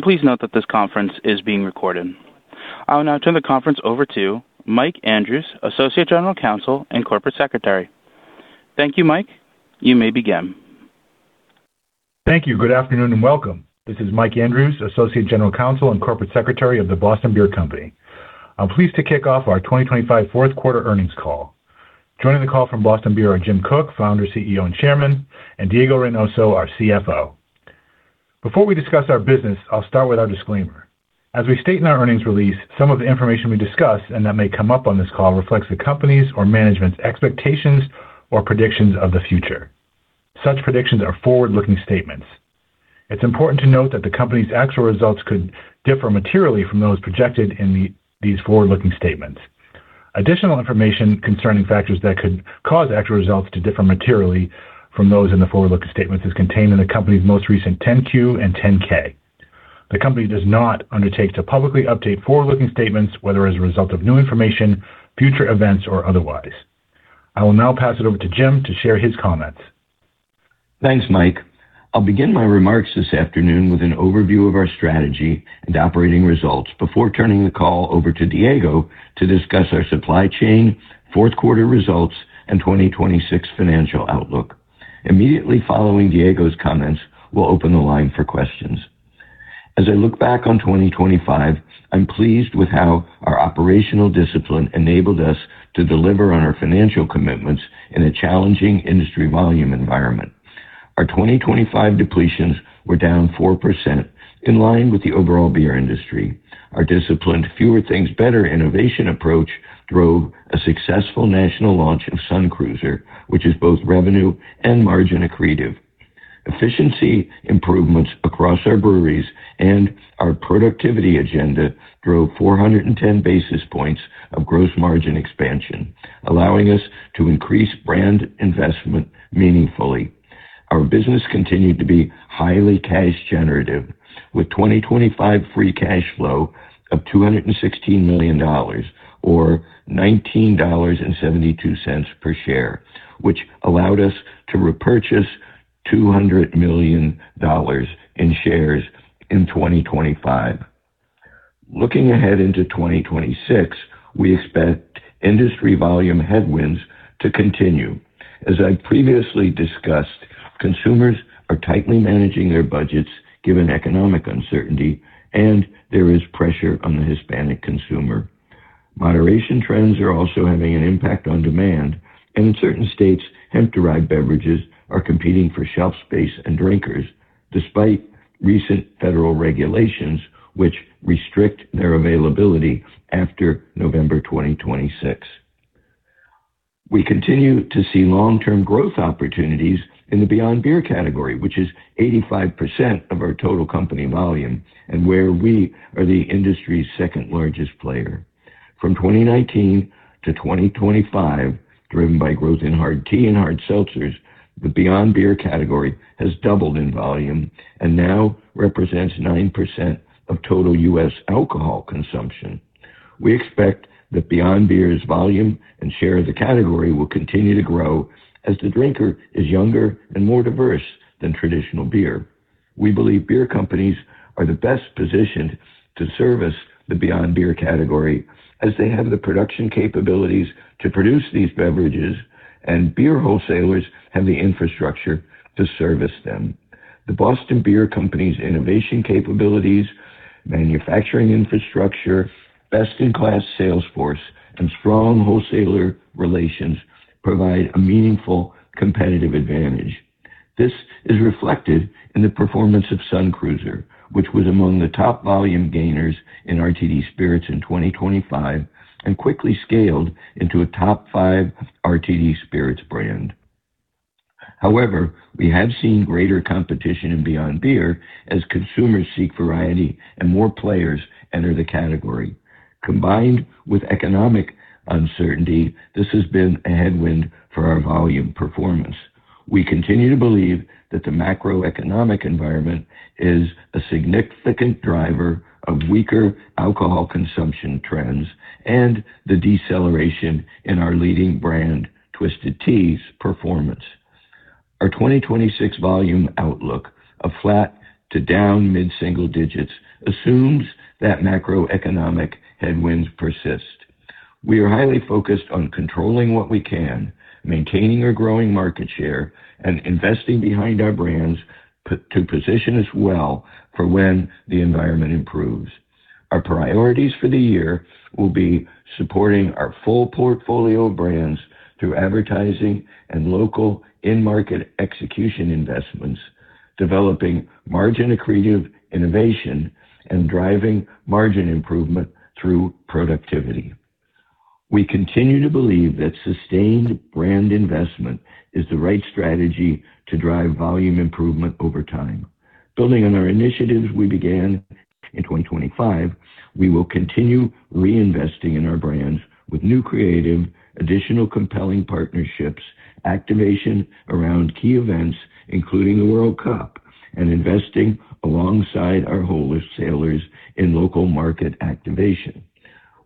Please note that this conference is being recorded. I will now turn the conference over to Mike Andrews, Associate General Counsel and Corporate Secretary. Thank you, Mike. You may begin. Thank you. Good afternoon, and welcome. This is Mike Andrews, Associate General Counsel and Corporate Secretary of The Boston Beer Company. I'm pleased to kick off our 2025 Q4 Earnings Call. Joining the call from Boston Beer are Jim Koch, Founder, CEO, and Chairman, and Diego Reynoso, our CFO. Before we discuss our business, I'll start with our disclaimer. As we state in our earnings release, some of the information we discuss and that may come up on this call reflects the company's or management's expectations or predictions of the future. Such predictions are forward-looking statements. It's important to note that the company's actual results could differ materially from those projected in these forward-looking statements. Additional information concerning factors that could cause actual results to differ materially from those in the forward-looking statements is contained in the company's most recent 10-Q and 10-K. The company does not undertake to publicly update forward-looking statements, whether as a result of new information, future events, or otherwise. I will now pass it over to Jim to share his comments. Thanks, Mike. I'll begin my remarks this afternoon with an overview of our strategy and operating results before turning the call over to Diego to discuss our supply chain, Q4 results, and 2026 financial outlook. Immediately following Diego's comments, we'll open the line for questions. As I look back on 2025, I'm pleased with how our operational discipline enabled us to deliver on our financial commitments in a challenging industry volume environment. Our 2025 depletions were down 4%, in line with the overall beer industry. Our disciplined, fewer things, better innovation approach drove a successful national launch of Sun Cruiser, which is both revenue and margin accretive. Efficiency improvements across our breweries and our productivity agenda drove 410 basis points of gross margin expansion, allowing us to increase brand investment meaningfully. Our business continued to be highly cash generative, with 2025 free cash flow of $216 million or $19.72 per share, which allowed us to repurchase $200 million in shares in 2025. Looking ahead into 2026, we expect industry volume headwinds to continue. As I've previously discussed, consumers are tightly managing their budgets given economic uncertainty, and there is pressure on the Hispanic consumer. Moderation trends are also having an impact on demand, and in certain states, hemp-derived beverages are competing for shelf space and drinkers, despite recent federal regulations which restrict their availability after November 2026. We continue to see long-term growth opportunities in the beyond beer category, which is 85% of our total company volume and where we are the industry's second-largest player. From 2019 to 2025, driven by growth in hard tea and hard seltzers, the beyond beer category has doubled in volume and now represents 9% of total U.S. alcohol consumption. We expect that beyond beer's volume and share of the category will continue to grow as the drinker is younger and more diverse than traditional beer. We believe beer companies are the best positioned to service the beyond beer category as they have the production capabilities to produce these beverages, and beer wholesalers have the infrastructure to service them. The Boston Beer Company's innovation capabilities, manufacturing infrastructure, best-in-class sales force, and strong wholesaler relations provide a meaningful competitive advantage. This is reflected in the performance of Sun Cruiser, which was among the top volume gainers in RTD Spirits in 2025 and quickly scaled into a top 5 RTD Spirits brand. However, we have seen greater competition in beyond beer as consumers seek variety and more players enter the category. Combined with economic uncertainty, this has been a headwind for our volume performance. We continue to believe that the macroeconomic environment is a significant driver of weaker alcohol consumption trends and the deceleration in our leading brand, Twisted Tea's performance. Our 2026 volume outlook of flat to down mid-single digits assumes that macroeconomic headwinds persist. We are highly focused on controlling what we can, maintaining or growing market share, and investing behind our brands to position us well for when the environment improves. Our priorities for the year will be supporting our full portfolio of brands through advertising and local in-market execution investments, developing margin-accretive innovation, and driving margin improvement through productivity. We continue to believe that sustained brand investment is the right strategy to drive volume improvement over time. Building on our initiatives we began in 2025, we will continue reinvesting in our brands with new creative, additional compelling partnerships, activation around key events, including the World Cup, and investing alongside our wholesalers in local market activation.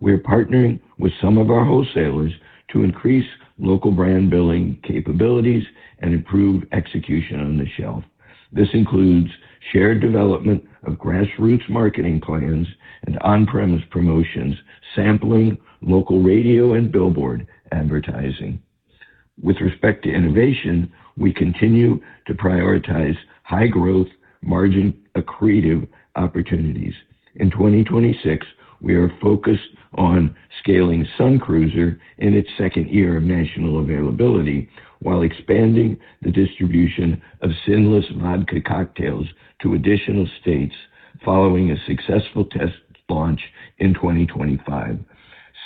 We're partnering with some of our wholesalers to increase local brand building capabilities and improve execution on the shelf. This includes shared development of grassroots marketing plans and on-premise promotions, sampling, local radio, and billboard advertising. With respect to innovation, we continue to prioritize high growth, margin-accretive opportunities. In 2026, we are focused on scaling Sun Cruiser in its second year of national availability, while expanding the distribution of Sinless Vodka Cocktails to additional states following a successful test launch in 2025.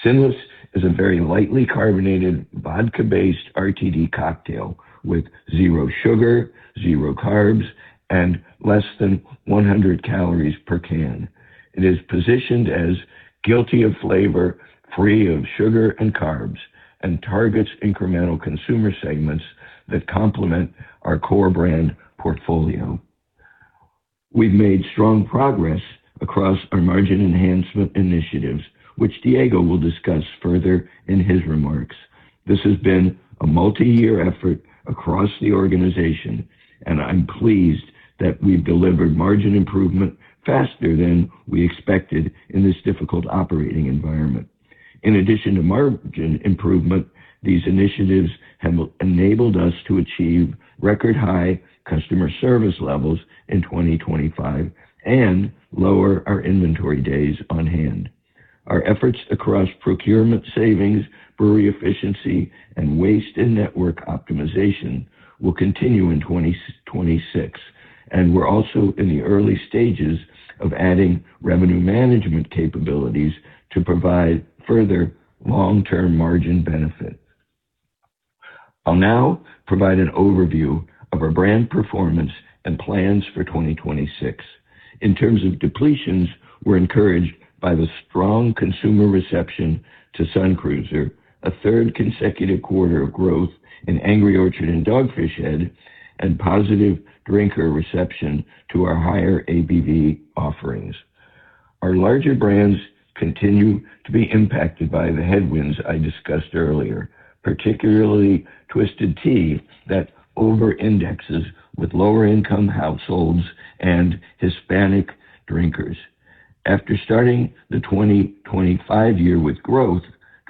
Sinless is a very lightly carbonated vodka-based RTD cocktail with zero sugar, zero carbs, and less than 100 calories per can. It is positioned as guilty of flavor, free of sugar and carbs, and targets incremental consumer segments that complement our core brand portfolio. We've made strong progress across our margin enhancement initiatives, which Diego will discuss further in his remarks. This has been a multi-year effort across the organization, and I'm pleased that we've delivered margin improvement faster than we expected in this difficult operating environment. In addition to margin improvement, these initiatives have enabled us to achieve record-high customer service levels in 2025 and lower our inventory days on hand. Our efforts across procurement savings, brewery efficiency, and waste and network optimization will continue in 2026, and we're also in the early stages of adding revenue management capabilities to provide further long-term margin benefit. I'll now provide an overview of our brand performance and plans for 2026. In terms of depletions, we're encouraged by the strong consumer reception to Sun Cruiser, a third consecutive quarter of growth in Angry Orchard and Dogfish Head, and positive drinker reception to our higher ABV offerings. Our larger brands continue to be impacted by the headwinds I discussed earlier, particularly Twisted Tea, that overindexes with lower-income households and Hispanic drinkers. After starting the 2025 year with growth,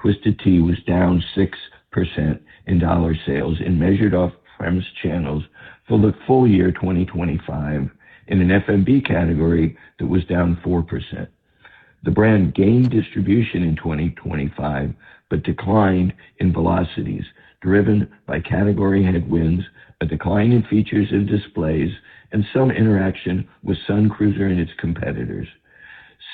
Twisted Tea was down 6% in dollar sales in measured off-premise channels for the full year 2025 in an FMB category that was down 4%. The brand gained distribution in 2025, but declined in velocities driven by category headwinds, a decline in features and displays, and some interaction with Sun Cruiser and its competitors.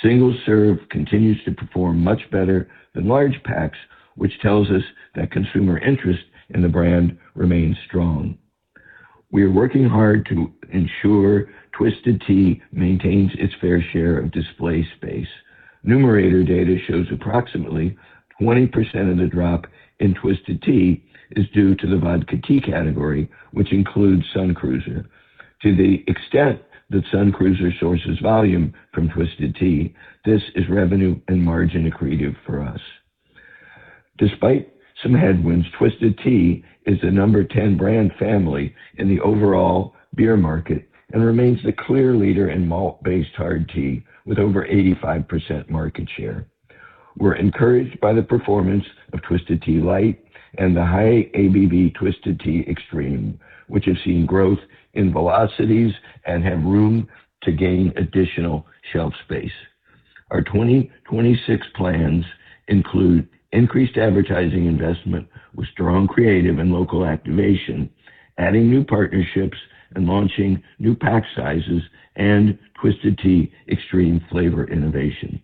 Single serve continues to perform much better than large packs, which tells us that consumer interest in the brand remains strong. We are working hard to ensure Twisted Tea maintains its fair share of display space. Numerator data shows approximately 20% of the drop in Twisted Tea is due to the vodka tea category, which includes Sun Cruiser. To the extent that Sun Cruiser sources volume from Twisted Tea, this is revenue and margin accretive for us. Despite some headwinds, Twisted Tea is the number 10 brand family in the overall beer market and remains the clear leader in malt-based hard tea, with over 85% market share. We're encouraged by the performance of Twisted Tea Light and the high ABV Twisted Tea Extreme, which have seen growth in velocities and have room to gain additional shelf space. Our 2026 plans include increased advertising investment with strong creative and local activation, adding new partnerships, and launching new pack sizes and Twisted Tea Extreme flavor innovation.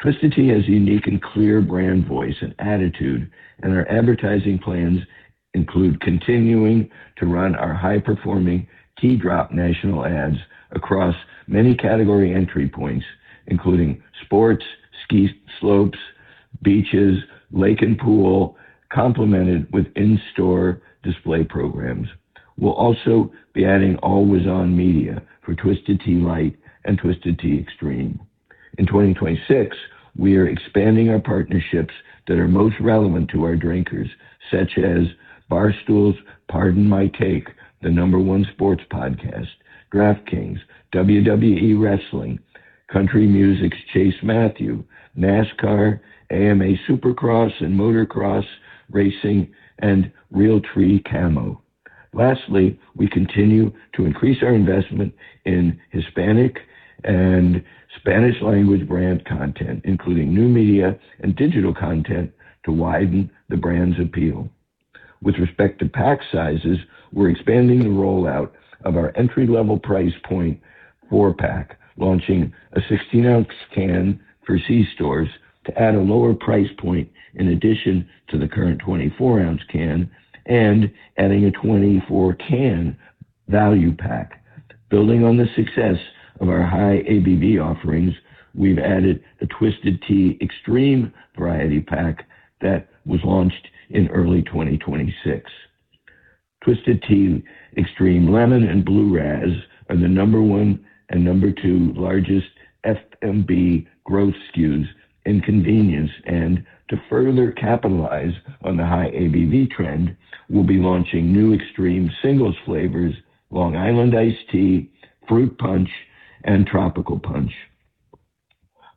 Twisted Tea has unique and clear brand voice and attitude, our advertising plans include continuing to run our high-performing tea drop national ads across many category entry points, including sports, ski slopes, beaches, lake and pool, complemented with in-store display programs. We'll also be adding always-on media for Twisted Tea Light and Twisted Tea Extreme. In 2026, we are expanding our partnerships that are most relevant to our drinkers, such as Barstool, Pardon My Take, the number 1 sports podcast, DraftKings, WWE Wrestling, country music's Chase Matthew, NASCAR, AMA Supercross and Motocross Racing, and Realtree Camo. Lastly, we continue to increase our investment in Hispanic and Spanish language brand content, including new media and digital content, to widen the brand's appeal. With respect to pack sizes, we're expanding the rollout of our entry-level price point 4-pack, launching a 16-ounce can for C-stores to add a lower price point in addition to the current 24-ounce can and adding a 24-can value pack. Building on the success of our high ABV offerings, we've added a Twisted Tea Extreme variety pack that was launched in early 2026. Twisted Tea Extreme Lemon and Blue Razz are the number 1 and number 2 largest FMB growth SKUs in convenience. To further capitalize on the high ABV trend, we'll be launching new Extreme Singles flavors: Long Island Iced Tea, Fruit Punch, and Tropical Punch.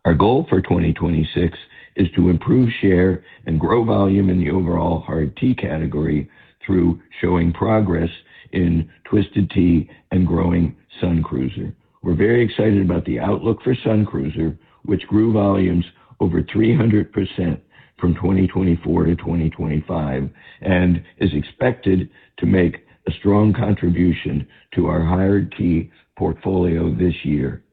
Our goal for 2026 is to improve share and grow volume in the overall hard tea category through showing progress in Twisted Tea and growing Sun Cruiser. We're very excited about the outlook for Sun Cruiser, which grew volumes over 300% from 2024 to 2025, and is expected to make a strong contribution to our hard tea portfolio this year.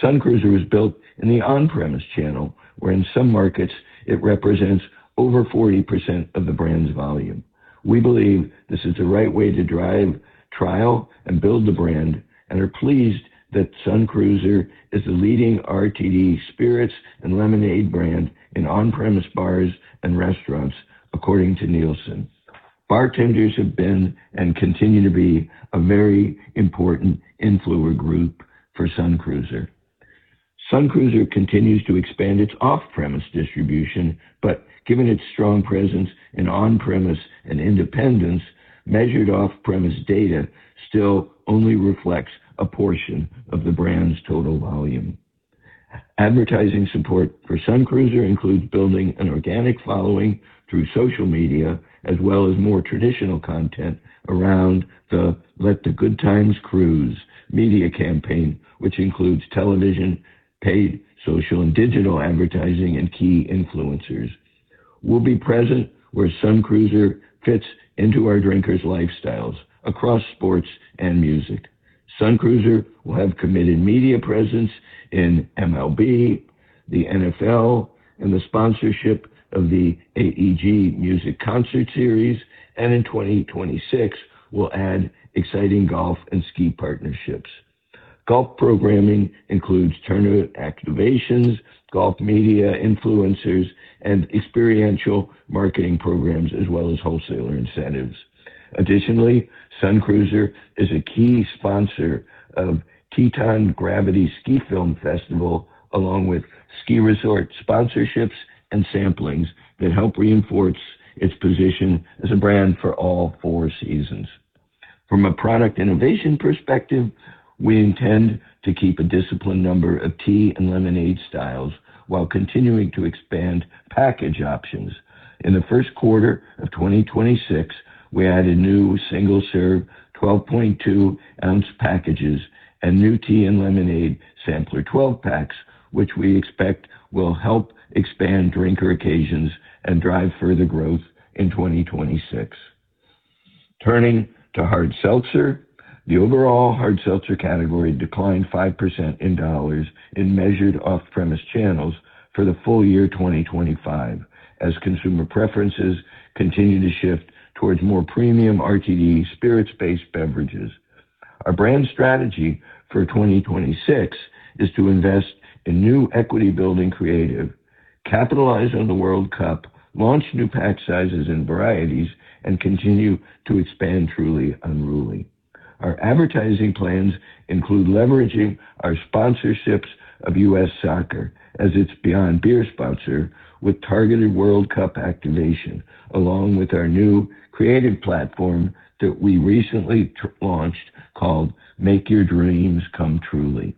Sun Cruiser was built in the on-premise channel, where in some markets it represents over 40% of the brand's volume. We believe this is the right way to drive trial and build the brand, and are pleased that Sun Cruiser is the leading RTD spirits and lemonade brand in on-premise bars and restaurants, according to Nielsen. Bartenders have been, and continue to be, a very important influencer group for Sun Cruiser. Sun Cruiser continues to expand its off-premise distribution. Given its strong presence in on-premise and independents, measured off-premise data still only reflects a portion of the brand's total volume. Advertising support for Sun Cruiser includes building an organic following through social media, as well as more traditional content around the Let the Good Times Cruise media campaign, which includes television, paid social and digital advertising, and key influencers. We'll be present where Sun Cruiser fits into our drinkers' lifestyles across sports and music. Sun Cruiser will have committed media presence in MLB, the NFL, and the sponsorship of the AEG music concert series, and in 2026, we'll add exciting golf and ski partnerships. Golf programming includes tournament activations, golf media influencers, and experiential marketing programs, as well as wholesaler incentives. Sun Cruiser is a key sponsor of Teton Gravity Ski Film Festival, along with ski resort sponsorships and samplings that help reinforce its position as a brand for all four seasons. From a product innovation perspective, we intend to keep a disciplined number of tea and lemonade styles while continuing to expand package options. In the Q1 of 2026, we added new single-serve 12.2-ounce packages and new tea and lemonade sampler 12 packs, which we expect will help expand drinker occasions and drive further growth in 2026. Turning to hard seltzer, the overall hard seltzer category declined 5% in dollars in measured off-premise channels for the full year 2025, as consumer preferences continue to shift towards more premium RTD spirits-based beverages. Our brand strategy for 2026 is to invest in new equity-building creative, capitalize on the World Cup, launch new pack sizes and varieties, and continue to expand Truly Unruly. Our advertising plans include leveraging our sponsorships of U.S. Soccer as its Beyond Beer sponsor, with targeted World Cup activation, along with our new creative platform that we recently launched called Make Your Dreams Come Truly.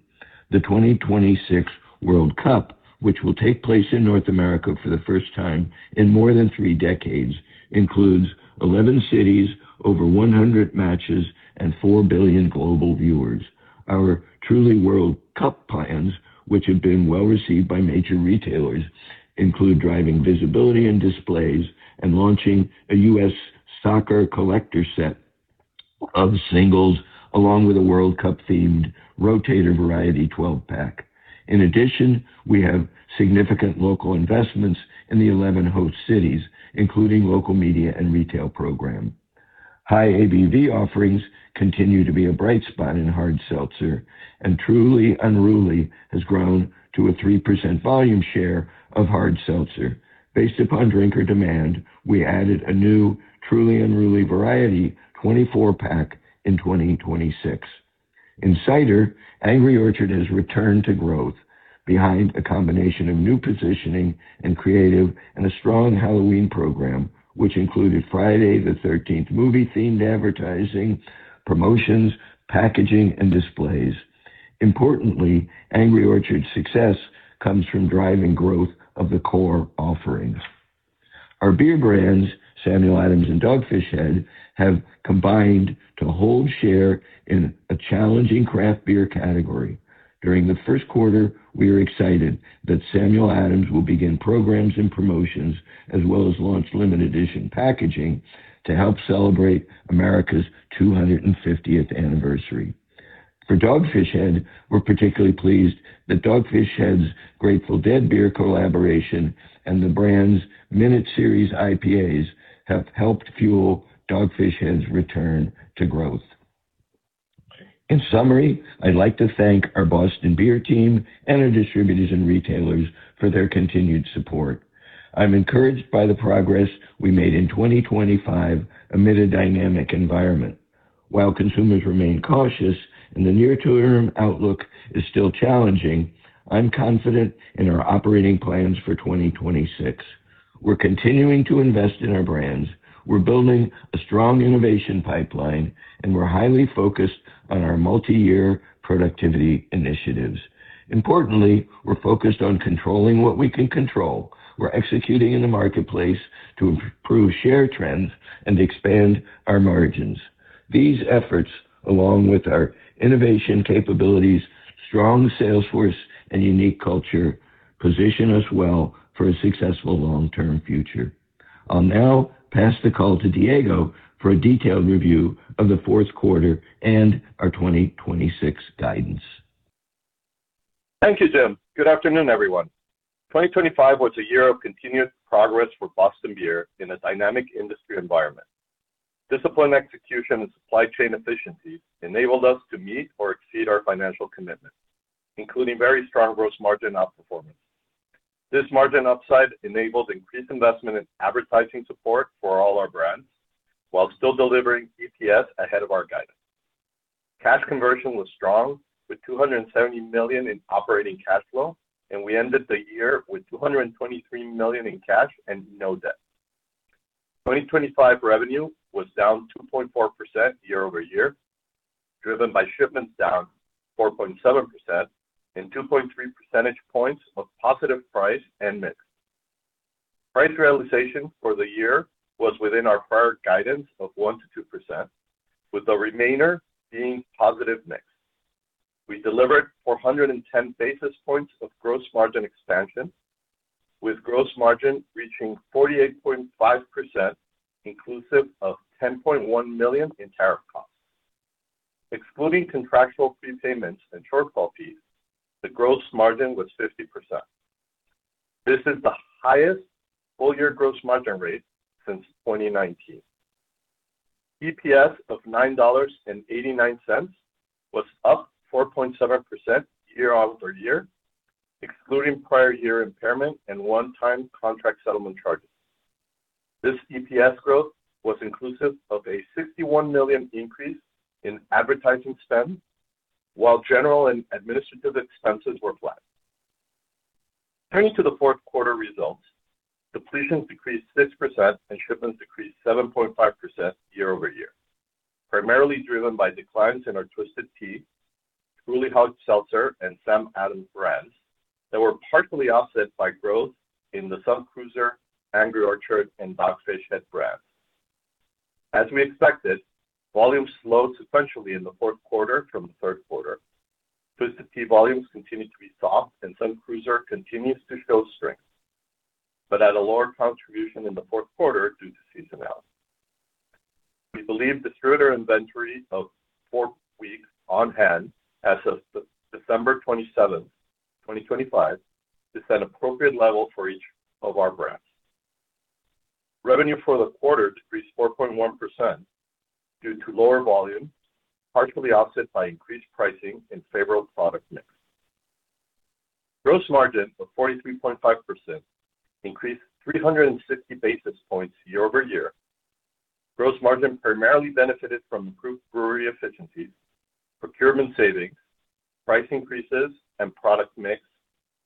The 2026 World Cup, which will take place in North America for the first time in more than 3 decades, includes 11 cities, over 100 matches, and 4 billion global viewers. Our Truly World Cup plans, which have been well-received by major retailers, include driving visibility and displays and launching a U.S. Soccer collector set of singles, along with a World Cup-themed rotator variety 12-pack. In addition, we have significant local investments in the 11 host cities, including local media and retail program. High ABV offerings continue to be a bright spot in hard seltzer. Truly Unruly has grown to a 3% volume share of hard seltzer. Based upon drinker demand, we added a new Truly Unruly variety 24-pack in 2026. In cider, Angry Orchard has returned to growth behind a combination of new positioning and creative, and a strong Halloween program, which included Friday the 13th movie-themed advertising, promotions, packaging, and displays. Importantly, Angry Orchard's success comes from driving growth of the core offerings. Our beer brands, Samuel Adams and Dogfish Head, have combined to hold share in a challenging craft beer category. During the Q1, we are excited that Samuel Adams will begin programs and promotions, as well as launch limited edition packaging to help celebrate America's 250th anniversary. For Dogfish Head, we're particularly pleased that Dogfish Head's Grateful Dead beer collaboration and the brand's Minute Series IPAs have helped fuel Dogfish Head's return to growth. In summary, I'd like to thank our Boston Beer team and our distributors and retailers for their continued support. I'm encouraged by the progress we made in 2025 amid a dynamic environment. While consumers remain cautious and the near-term outlook is still challenging, I'm confident in our operating plans for 2026. We're continuing to invest in our brands. We're building a strong innovation pipeline, and we're highly focused on our multi-year productivity initiatives. Importantly, we're focused on controlling what we can control. We're executing in the marketplace to improve share trends and expand our margins. These efforts, along with our innovation capabilities, strong sales force, and unique culture, position us well for a successful long-term future. I'll now pass the call to Diego for a detailed review of the Q4 and our 2026 guidance. Thank you, Jim. Good afternoon, everyone. 2025 was a year of continued progress for Boston Beer in a dynamic industry environment. Disciplined execution and supply chain efficiency enabled us to meet or exceed our financial commitments, including very strong gross margin outperformance. This margin upside enabled increased investment in advertising support for all our brands, while still delivering EPS ahead of our guidance. Cash conversion was strong, with $270 million in operating cash flow, and we ended the year with $223 million in cash and no debt. 2025 revenue was down 2.4% year-over-year, driven by shipments down 4.7% and 2.3 percentage points of positive price and mix. Price realization for the year was within our prior guidance of 1%-2%, with the remainder being positive mix. We delivered 410 basis points of gross margin expansion, with gross margin reaching 48.5%, inclusive of $10.1 million in tariff costs. Excluding contractual prepayments and shortfall fees, the gross margin was 50%. This is the highest full-year gross margin rate since 2019. EPS of $9.89 was up 4.7% year-over-year, excluding prior year impairment and one-time contract settlement charges. This EPS growth was inclusive of a $61 million increase in advertising spend, while general and administrative expenses were flat. Turning to the Q4 results, depletions decreased 6% and shipments decreased 7.5% year-over-year, primarily driven by declines in our Twisted Tea, Truly Hard Seltzer, and Samuel Adams brands that were partially offset by growth in the Sun Cruiser, Angry Orchard, and Dogfish Head brands. As we expected, volume slowed substantially in the Q4 from the Q3. Twisted Tea volumes continue to be soft, and Sun Cruiser continues to show strength, but at a lower contribution in the Q4 due to seasonality. We believe distributor inventory of 4 weeks on hand as of December 27, 2025, is an appropriate level for each of our brands. Revenue for the quarter decreased 4.1% due to lower volume, partially offset by increased pricing and favorable product mix. Gross margin of 43.5% increased 360 basis points year-over-year. Gross margin primarily benefited from improved brewery efficiencies, procurement savings, price increases, and product mix,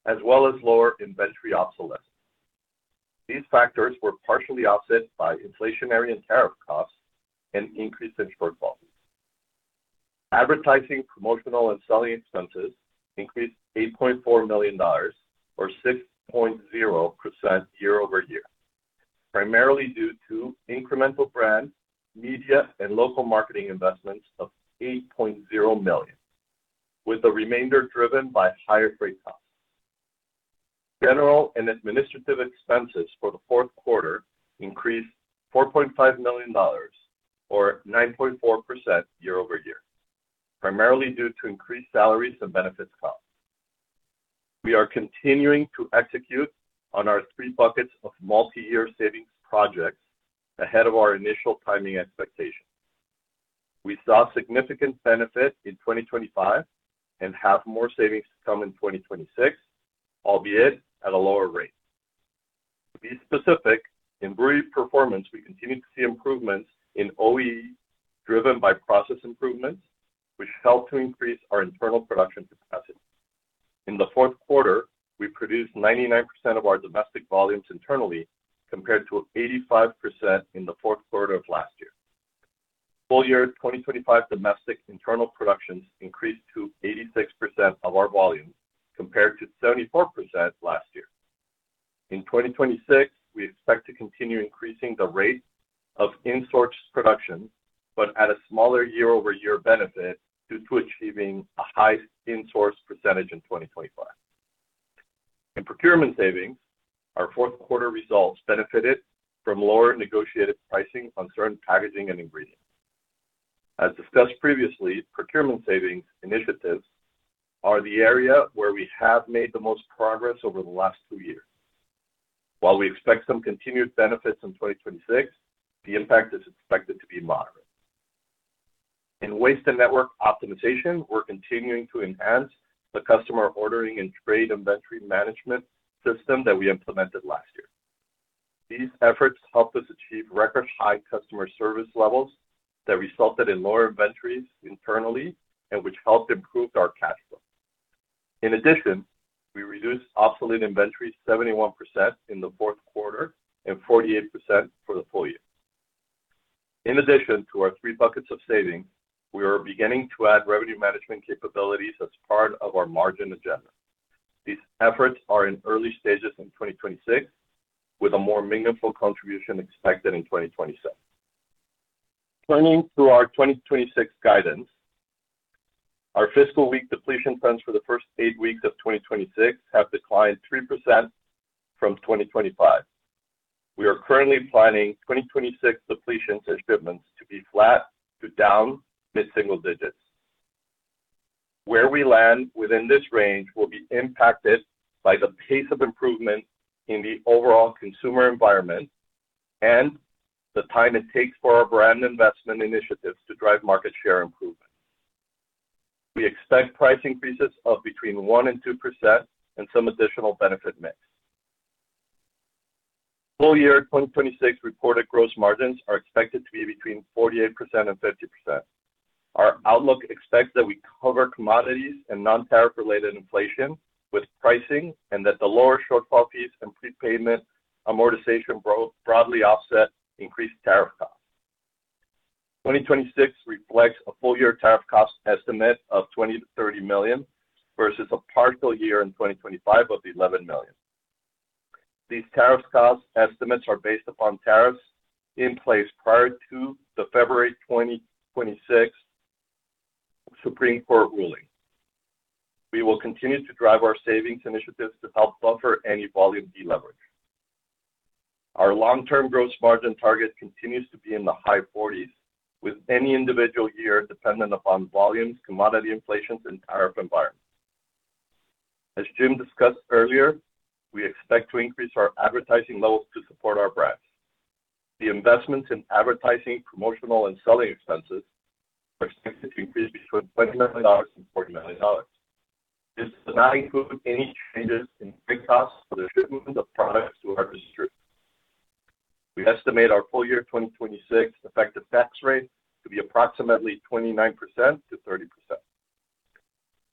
as well as lower inventory obsolescence. These factors were partially offset by inflationary and tariff costs and increase in shortfalls. Advertising, promotional, and selling expenses increased $8.4 million, or 6.0% year-over-year, primarily due to incremental brand, media, and local marketing investments of $8.0 million, with the remainder driven by higher freight costs. General and administrative expenses for the Q4 increased $4.5 million, or 9.4% year-over-year, primarily due to increased salaries and benefits costs. We are continuing to execute on our three buckets of multi-year savings projects ahead of our initial timing expectations. We saw significant benefit in 2025 and have more savings to come in 2026, albeit at a lower rate. To be specific, in brewery performance, we continue to see improvements in OE, driven by process improvements, which help to increase our internal production capacity. In the Q4, we produced 99% of our domestic volumes internally, compared to 85% in the Q4 of last year. Full year 2025 domestic internal productions increased to 86% of our volume, compared to 74% last year. In 2026, we expect to continue increasing the rate of in-source production, but at a smaller year-over-year benefit due to achieving a high in-source percentage in 2025. In procurement savings, our Q4 results benefited from lower negotiated pricing on certain packaging and ingredients. As discussed previously, procurement savings initiatives are the area where we have made the most progress over the last two years. While we expect some continued benefits in 2026, the impact is expected to be moderate. In waste and network optimization, we're continuing to enhance the customer ordering and trade inventory management system that we implemented last year. These efforts helped us achieve record high customer service levels that resulted in lower inventories internally and which helped improve our cash flow. In addition, we reduced obsolete inventory 71% in the Q4 and 48% for the full year. In addition to our three buckets of savings, we are beginning to add revenue management capabilities as part of our margin agenda. These efforts are in early stages in 2026, with a more meaningful contribution expected in 2027. Planning through our 2026 guidance, our fiscal week depletion plans for the first eight weeks of 2026 have declined 3% from 2025. We are currently planning 2026 depletions and shipments to be flat to down mid-single digits. Where we land within this range will be impacted by the pace of improvement in the overall consumer environment and the time it takes for our brand investment initiatives to drive market share improvement. We expect price increases of between 1% and 2% and some additional benefit mix. Full year, 2026 reported gross margins are expected to be between 48% and 50%. Our outlook expects that we cover commodities and non-tariff related inflation with pricing, and that the lower shortfall fees and prepayment amortization growth broadly offset increased tariff costs. 2026 reflects a full-year tariff cost estimate of $20 million-$30 million, versus a partial year in 2025 of $11 million. These tariff cost estimates are based upon tariffs in place prior to the February 2026 Supreme Court ruling. We will continue to drive our savings initiatives to help buffer any volume deleverage. Our long-term gross margin target continues to be in the high forties, with any individual year dependent upon volumes, commodity inflations, and tariff environments. As Jim discussed earlier, we expect to increase our advertising levels to support our brands. The investments in advertising, promotional and selling expenses are expected to increase between $20 million and $40 million. This does not include any changes in cost for the shipment of products to our distributors. We estimate our full year 2026 effective tax rate to be approximately 29%-30%.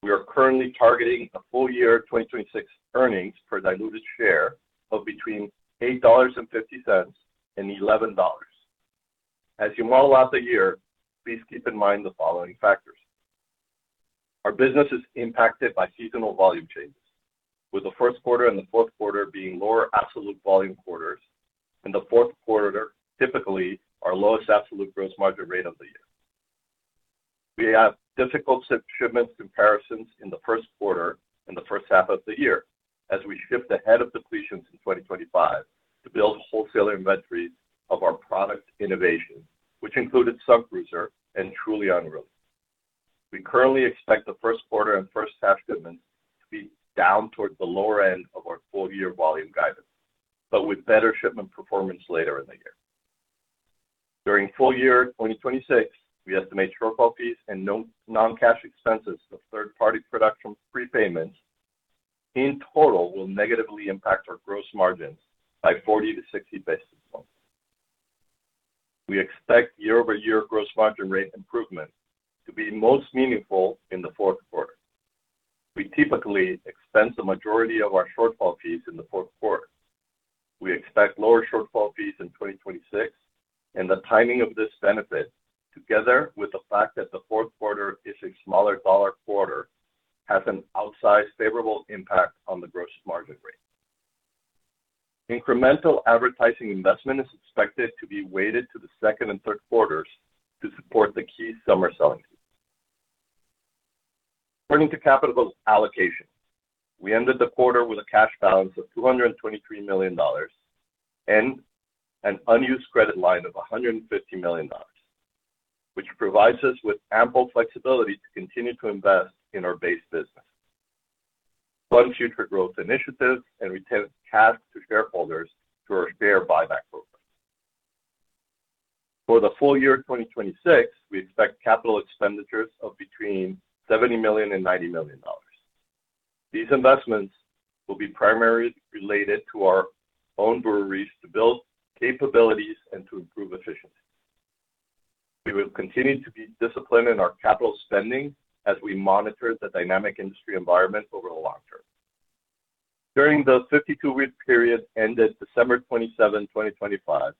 We are currently targeting a full year 2026 earnings per diluted share of between $8.50 and $11. As you model out the year, please keep in mind the following factors. Our business is impacted by seasonal volume changes, with the Q1 and the Q4 being lower absolute volume quarters, and the Q4 typically our lowest absolute gross margin rate of the year. We have difficult shipments comparisons in the Q1 and the first half of the year as we shift ahead of depletions in 2025 to build wholesaler inventories of our product innovation, which included Sun Cruiser and Truly Unruly. We currently expect the Q1 and first half shipments to be down towards the lower end of our full year volume guidance, but with better shipment performance later in the year. During full year 2026, we estimate shortfall fees and non-cash expenses of third-party production prepayments in total will negatively impact our gross margins by 40 to 60 basis points. We expect year-over-year gross margin rate improvement to be most meaningful in the Q4. We typically expense the majority of our shortfall fees in the Q4. We expect lower shortfall fees in 2026, the timing of this benefit, together with the fact that the Q4 is a smaller dollar quarter, has an outsized favorable impact on the gross margin rate. Incremental advertising investment is expected to be weighted to the second and Q3 to support the key summer selling season. Turning to capital allocations. We ended the quarter with a cash balance of $223 million and an unused credit line of $150 million, which provides us with ample flexibility to continue to invest in our base business, fund future growth initiatives, and return cash to shareholders through our share buyback program. For the full year 2026, we expect capital expenditures of between $70 million and $90 million. These investments will be primarily related to our own breweries to build capabilities and to improve efficiency. We will continue to be disciplined in our capital spending as we monitor the dynamic industry environment over the long term. During the 52-week period ended December 27, 2025,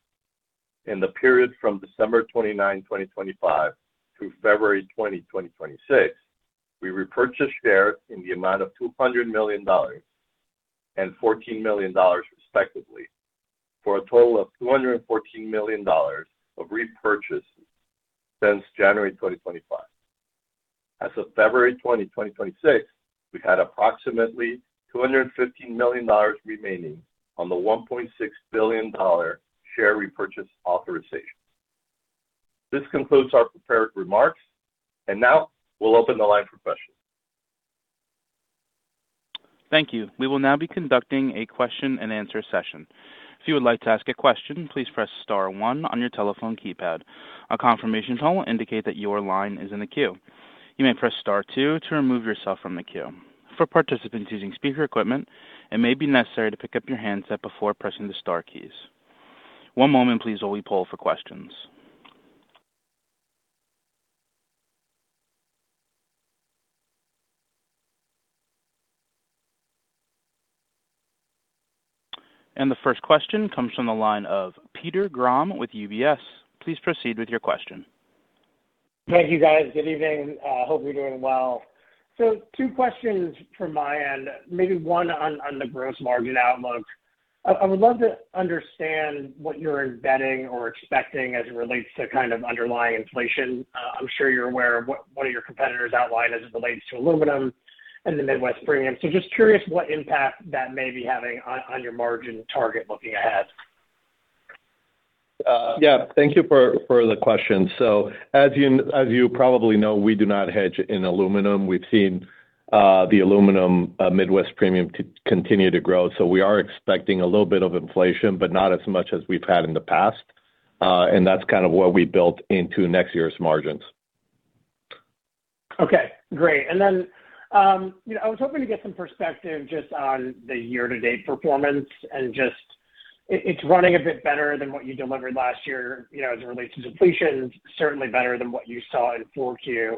in the period from December 29, 2025 to February 20, 2026, we repurchased shares in the amount of $200 million and $14 million, respectively, for a total of $214 million of repurchases since January 2025. As of February 20, 2026, we had approximately $250 million remaining on the $1.6 billion share repurchase authorization. This concludes our prepared remarks, and now we'll open the line for questions. Thank you. We will now be conducting a question-and-answer session. If you would like to ask a question, please press star one on your telephone keypad. A confirmation tone will indicate that your line is in the queue. You may press star two to remove yourself from the queue. For participants using speaker equipment, it may be necessary to pick up your handset before pressing the star keys. One moment, please, while we poll for questions. The first question comes from the line of Peter Grom with UBS. Please proceed with your question. Thank you, guys. Good evening. Hope you're doing well. Two questions from my end, maybe one on the gross margin outlook. I would love to understand what you're embedding or expecting as it relates to kind of underlying inflation. I'm sure you're aware of what your competitors outlined as it relates to aluminum and the Midwest Premium. Just curious what impact that may be having on your margin target looking ahead? Yeah, thank you for the question. As you probably know, we do not hedge in aluminum. We've seen the aluminum Midwest premium continue to grow. We are expecting a little bit of inflation, but not as much as we've had in the past, and that's kind of what we built into next year's margins. Okay, great. You know, I was hoping to get some perspective just on the year-to-date performance. It's running a bit better than what you delivered last year, you know, as it relates to depletions, certainly better than what you saw in 4Q.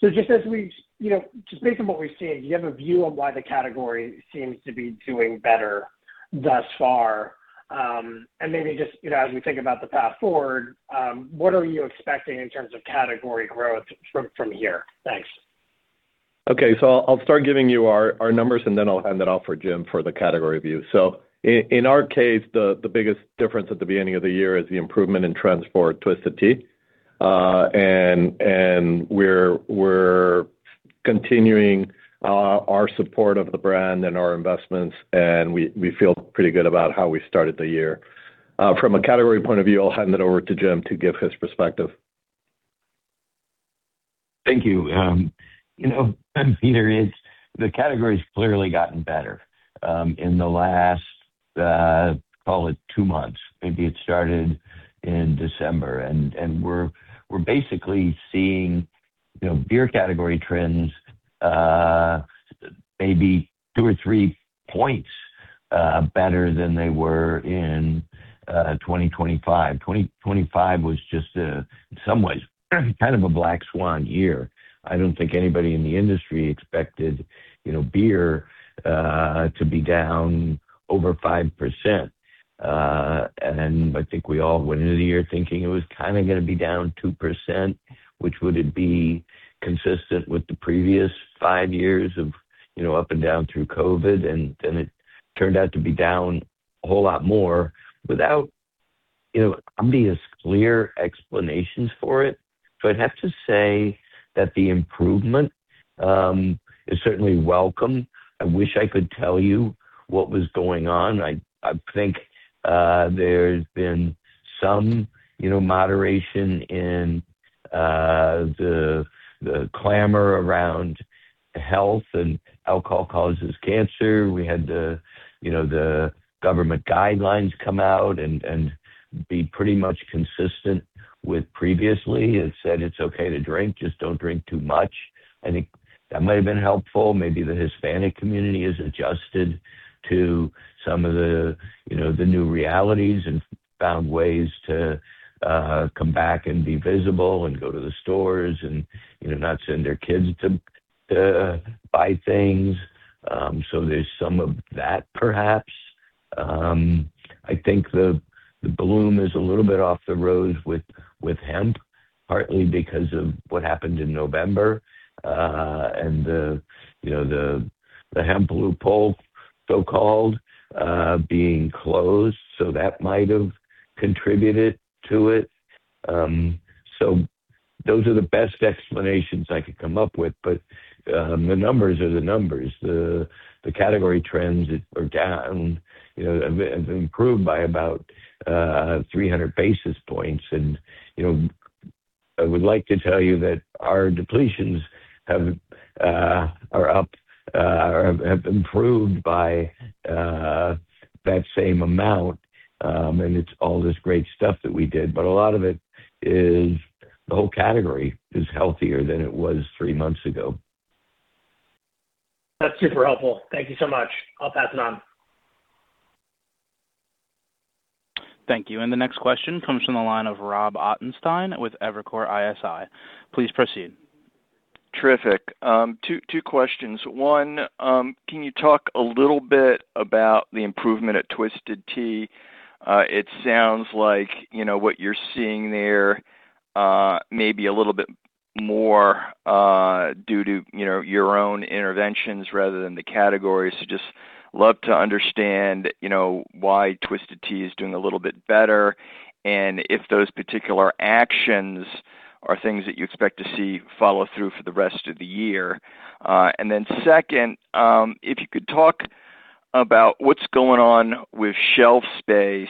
Just as we, you know, just based on what we've seen, do you have a view on why the category seems to be doing better thus far? Maybe just, you know, as we think about the path forward, what are you expecting in terms of category growth from here? Thanks. Okay, I'll start giving you our numbers, and then I'll hand it off for Jim for the category view. In our case, the biggest difference at the beginning of the year is the improvement in trends for Twisted Tea. We're continuing our support of the brand and our investments, and we feel pretty good about how we started the year. From a category point of view, I'll hand it over to Jim to give his perspective. Thank you. You know, Peter, the category's clearly gotten better in the last, call it 2 months. Maybe it started in December, we're basically seeing, you know, beer category trends maybe 2 or 3 points better than they were in 2025. 2025 was just in some ways, kind of a black swan year. I don't think anybody in the industry expected, you know, beer to be down over 5%. I think we all went into the year thinking it was kind of gonna be down 2%, which would it be consistent with the previous 5 years of, you know, up and down through COVID, it turned out to be down a whole lot more without, you know, obvious, clear explanations for it. I'd have to say that the improvement is certainly welcome. I wish I could tell you what was going on. I think there's been some, you know, moderation in the clamor around health and alcohol causes cancer. We had the, you know, the government guidelines come out and be pretty much consistent with previously. It said, "It's okay to drink, just don't drink too much." I think that might have been helpful. Maybe the Hispanic community has adjusted to some of the, you know, the new realities and found ways to come back and be visible and go to the stores and, you know, not send their kids to buy things. There's some of that, perhaps. I think the bloom is a little bit off the rose with hemp, partly because of what happened in November, and the, you know, the hemp loophole, so-called, being closed, so that might have contributed to it. Those are the best explanations I could come up with, but the numbers are the numbers. The category trends are down, you know, have improved by about 300 basis points. You know, I would like to tell you that our depletions are up or have improved by that same amount, and it's all this great stuff that we did, but a lot of it is the whole category is healthier than it was 3 months ago. That's super helpful. Thank you so much. I'll pass it on. Thank you. The next question comes from the line of Robert Ottenstein with Evercore ISI. Please proceed. Terrific. Two questions. One, can you talk a little bit about the improvement at Twisted Tea? It sounds like, you know, what you're seeing there, may be a little bit more, due to, you know, your own interventions rather than the categories. Just love to understand, you know, why Twisted Tea is doing a little bit better, and if those particular actions are things that you expect to see follow through for the rest of the year? Then second, if you could talk about what's going on with shelf space,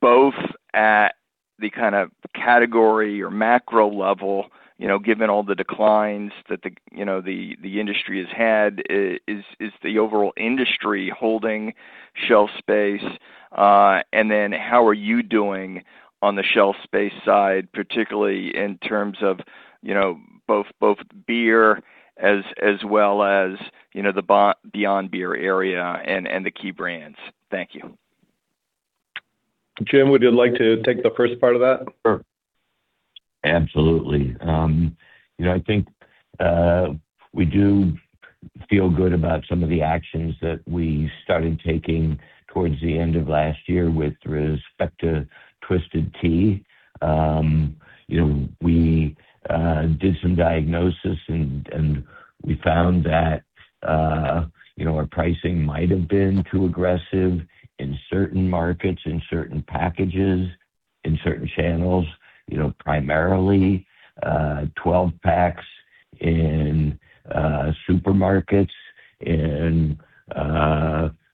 both at the kind of category or macro level, you know, given all the declines that the industry has had, is the overall industry holding shelf space? How are you doing on the shelf space side, particularly in terms of, you know, both beer as well as, you know, beyond beer area and the key brands? Thank you. Jim, would you like to take the first part of that? Sure. Absolutely. You know, I think we do feel good about some of the actions that we started taking towards the end of last year with respect to Twisted Tea. You know, we did some diagnosis and we found that, you know, our pricing might have been too aggressive in certain markets, in certain packages, in certain channels, you know, primarily 12 packs in supermarkets and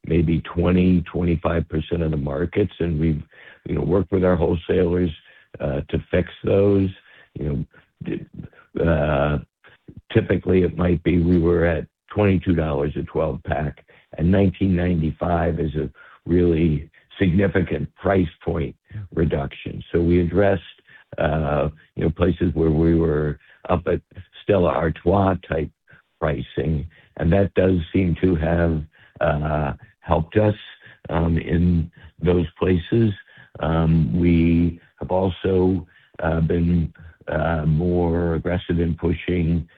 maybe 20-25% of the markets, and we've, you know, worked with our wholesalers to fix those. You know, typically, it might be we were at $22 a 12-pack, $19.95 is a really significant price point reduction. We addressed, you know, places where we were up at Stella Artois type pricing, that does seem to have helped us in those places. We have also been more aggressive in pushing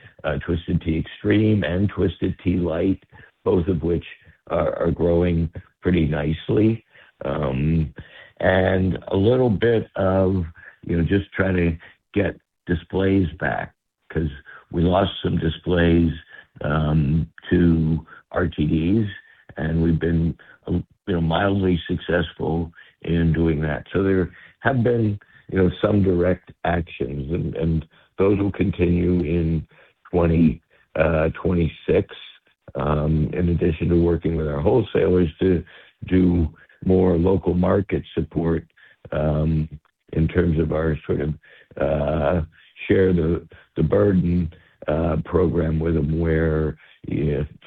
Twisted Tea Extreme and Twisted Tea Light, both of which are growing pretty nicely. A little bit of, you know, just trying to get displays back, 'cause we lost some displays to RTDs, and we've been, you know, mildly successful in doing that. There have been, you know, some direct actions and those will continue in 2026, in addition to working with our wholesalers to do more local market support in terms of our sort of share the burden program with them, where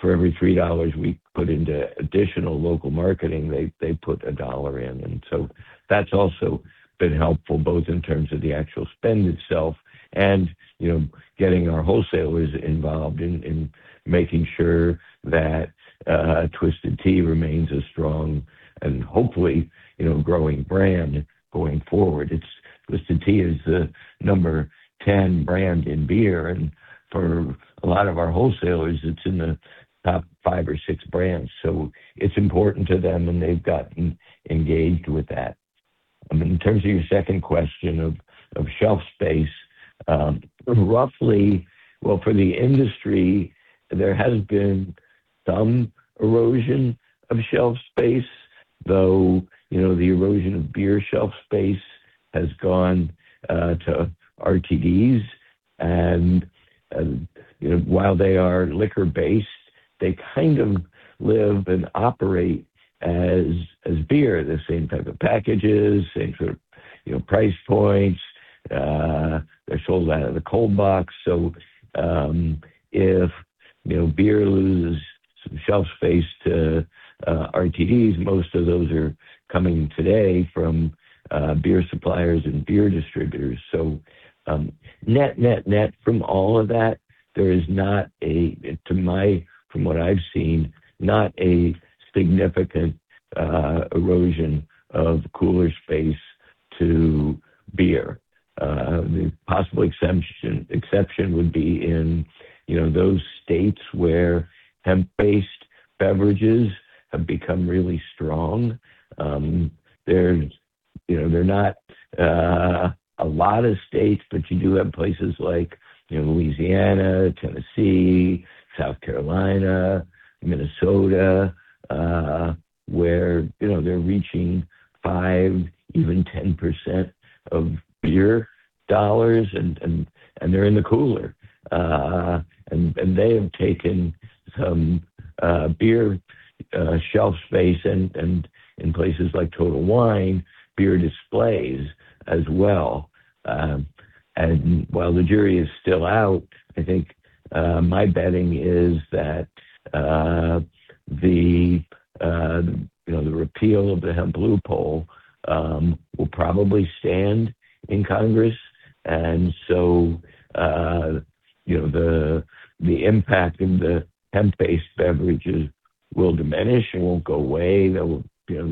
for every $3 we put into additional local marketing, they put $1 in. That's also been helpful, both in terms of the actual spend itself and, you know, getting our wholesalers involved in making sure that Twisted Tea remains a strong and hopefully, you know, growing brand going forward. Twisted Tea is the number 10 brand in beer, and for a lot of our wholesalers, it's in the top 5 or 6 brands, so it's important to them, and they've gotten engaged with that. In terms of your second question of shelf space, roughly... For the industry, there has been some erosion of shelf space, though, the erosion of beer shelf space has gone to RTDs, and while they are liquor-based, they kind of live and operate as beer, the same type of packages, same sort of price points, they're sold out of the cold box. If beer loses some shelf space to RTDs, most of those are coming today from beer suppliers and beer distributors. Net from all of that, there is not a, to my, from what I've seen, not a significant erosion of cooler space to beer. The possible exception would be in those states where hemp-based beverages have become really strong. There's, you know, they're not a lot of states, but you do have places like, you know, Louisiana, Tennessee, South Carolina, Minnesota, where, you know, they're reaching 5, even 10% of beer dollars and they're in the cooler. They have taken some beer shelf space and in places like Total Wine, beer displays as well. While the jury is still out, I think my betting is that the, you know, the repeal of the hemp loophole will probably stand in Congress. The, you know, the impact in the hemp-based beverages will diminish and won't go away. There will, you know,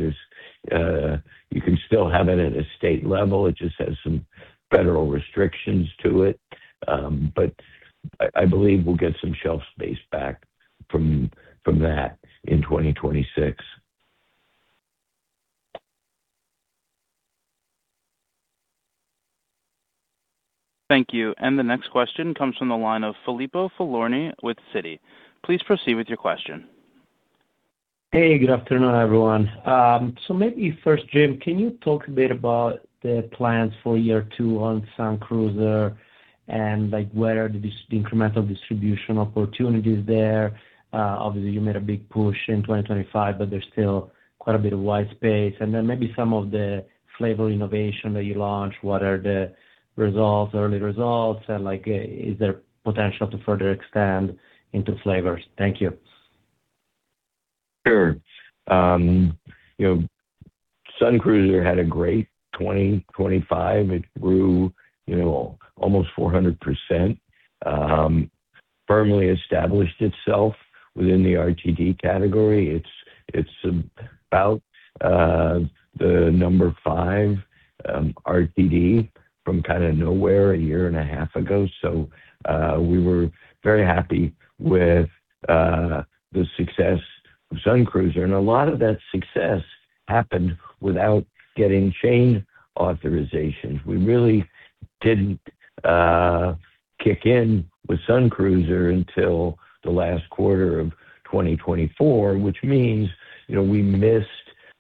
there's, you can still have it at a state level. It just has some federal restrictions to it. I believe we'll get some shelf space back from that in 2026. Thank you. The next question comes from the line of Filippo Falorni with Citi. Please proceed with your question. Hey, good afternoon, everyone. Maybe first, Jim, can you talk a bit about the plans for year two on Sun Cruiser and, like, what are the incremental distribution opportunities there? Obviously, you made a big push in 2025, but there's still quite a bit of wide space. Then maybe some of the flavor innovation that you launched, what are the results, early results? Like, is there potential to further expand into flavors? Thank you. You know, Sun Cruiser had a great 2025. It grew, you know, almost 400%, firmly established itself within the RTD category. It's about the number 5 RTD from kind of nowhere a year and a half ago. We were very happy with the success of Sun Cruiser, and a lot of that success happened without getting chain authorization. We really didn't kick in with Sun Cruiser until the last quarter of 2024, which means, you know, we missed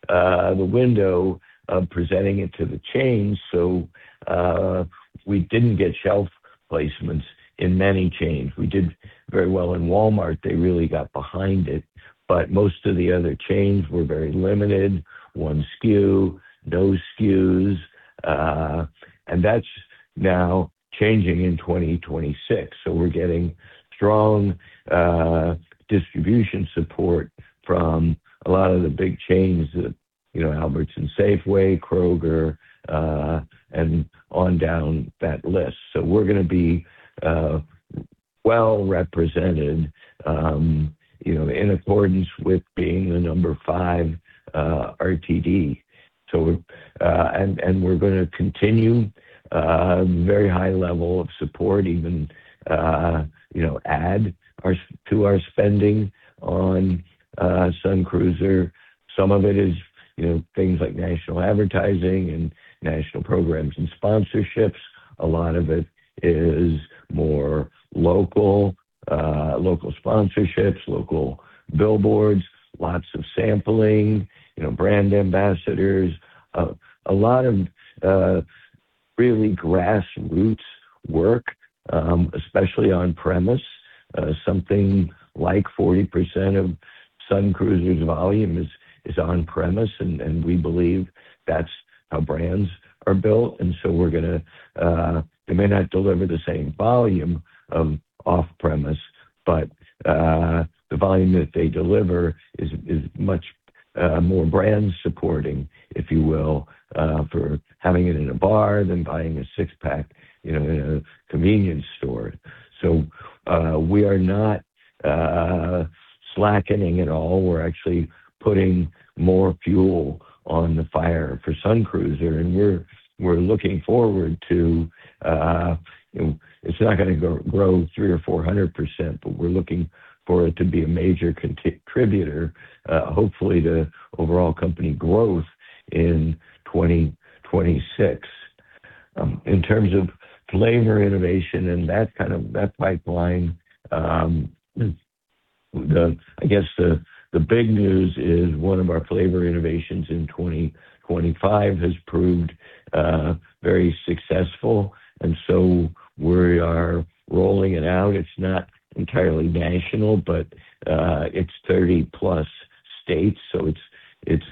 the window of presenting it to the chains, we didn't get shelf placements in many chains. We did very well in Walmart. They really got behind it, most of the other chains were very limited. 1 SKU, no SKUs, that's now changing in 2026. We're getting strong distribution support from a lot of the big chains that, you know, Albertsons, Safeway, Kroger, and on down that list. We're going to be well represented, you know, in accordance with being the number five RTD. And we're going to continue very high level of support, even, you know, add to our spending on Sun Cruiser. Some of it is, you know, things like national advertising and national programs and sponsorships. A lot of it is more local sponsorships, local billboards, lots of sampling, you know, brand ambassadors, a lot of really grassroots work, especially on premise. Something like 40% of Sun Cruiser's volume is on premise, and we believe that's how brands are built, we're going to, they may not deliver the same volume of off-premise, but the volume that they deliver is much more brand supporting, if you will, for having it in a bar than buying a six-pack, you know, in a convenience store. We are not slackening at all. We're actually putting more fuel on the fire for Sun Cruiser, and we're looking forward to, you know, it's not going to grow 300% or 400%, but we're looking for it to be a major contributor, hopefully, to overall company growth in 2026. In terms of flavor innovation and that kind of, that pipeline, the... I guess, the big news is one of our flavor innovations in 2025 has proved very successful. We are rolling it out. It's not entirely national, but it's 30-plus states, so it's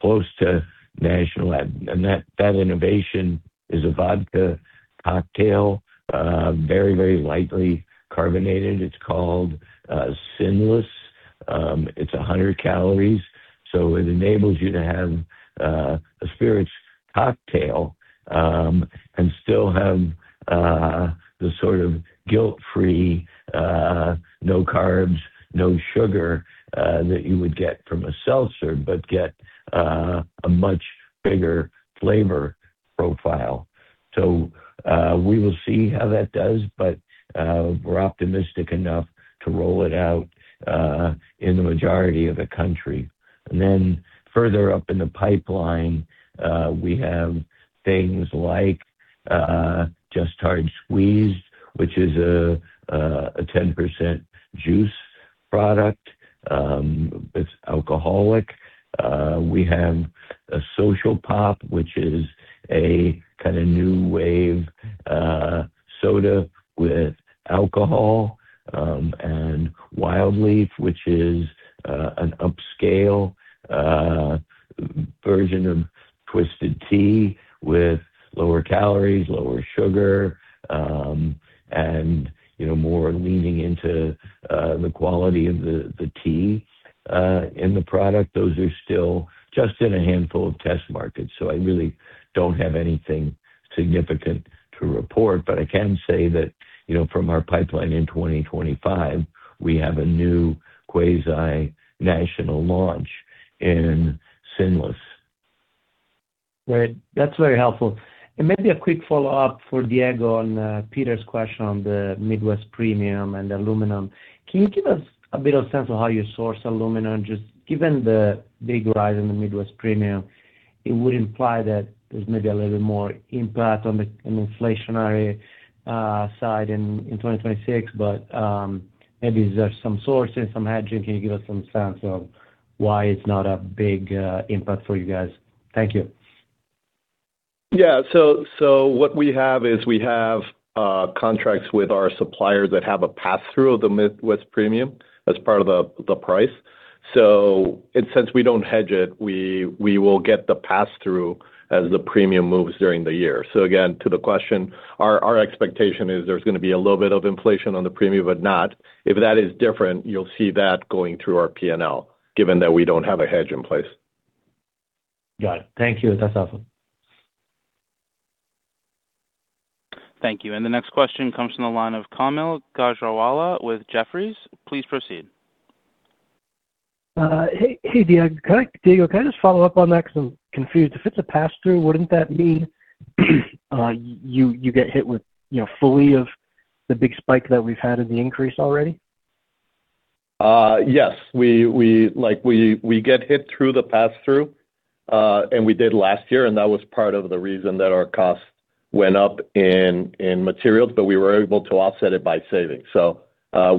close to national. That innovation is a vodka cocktail, very lightly carbonated. It's called Sinless. It's 100 calories, so it enables you to have a spirits cocktail, and still have the sort of guilt-free, no carbs, no sugar, that you would get from a seltzer, but get a much bigger flavor profile. We will see how that does, but we're optimistic enough to roll it out in the majority of the country. Further up in the pipeline, we have things like Just Hard Squeezed, which is a 10% juice product, it's alcoholic. We have a Social Pop, which is a kind of new wave soda with alcohol, and Wild Leaf, which is an upscale version of Twisted Tea with lower calories, lower sugar, and, you know, more leaning into the quality of the tea in the product. Those are still just in a handful of test markets, so I really don't have anything significant to report, but I can say that, you know, from our pipeline in 2025, we have a new quasi-national launch in Sinless. Great. That's very helpful. Maybe a quick follow-up for Diego on Peter's question on the Midwest Premium and aluminum. Can you give us a bit of sense of how you source aluminum, just given the big rise in the Midwest Premium, it would imply that there's maybe a little bit more impact on the, on the inflationary side in 2026, but maybe there's some sources, some hedging. Can you give us some sense of why it's not a big impact for you guys? Thank you. Yeah, so what we have is we have contracts with our suppliers that have a passthrough of the Midwest Premium as part of the price. Since we don't hedge it, we will get the passthrough as the Premium moves during the year. Again, to the question, our expectation is there's going to be a little bit of inflation on the Premium, but not. If that is different, you'll see that going through our PNL, given that we don't have a hedge in place. Got it. Thank you. That's helpful. Thank you. The next question comes from the line of Kaumil Gajrawala with Jefferies. Please proceed. Hey, Diego. Diego, can I just follow up on that because I'm confused. If it's a passthrough, wouldn't that mean you get hit with, you know, fully of the big spike that we've had in the increase already? Yes, we like we get hit through the passthrough, and we did last year, and that was part of the reason that our costs went up in materials, but we were able to offset it by savings.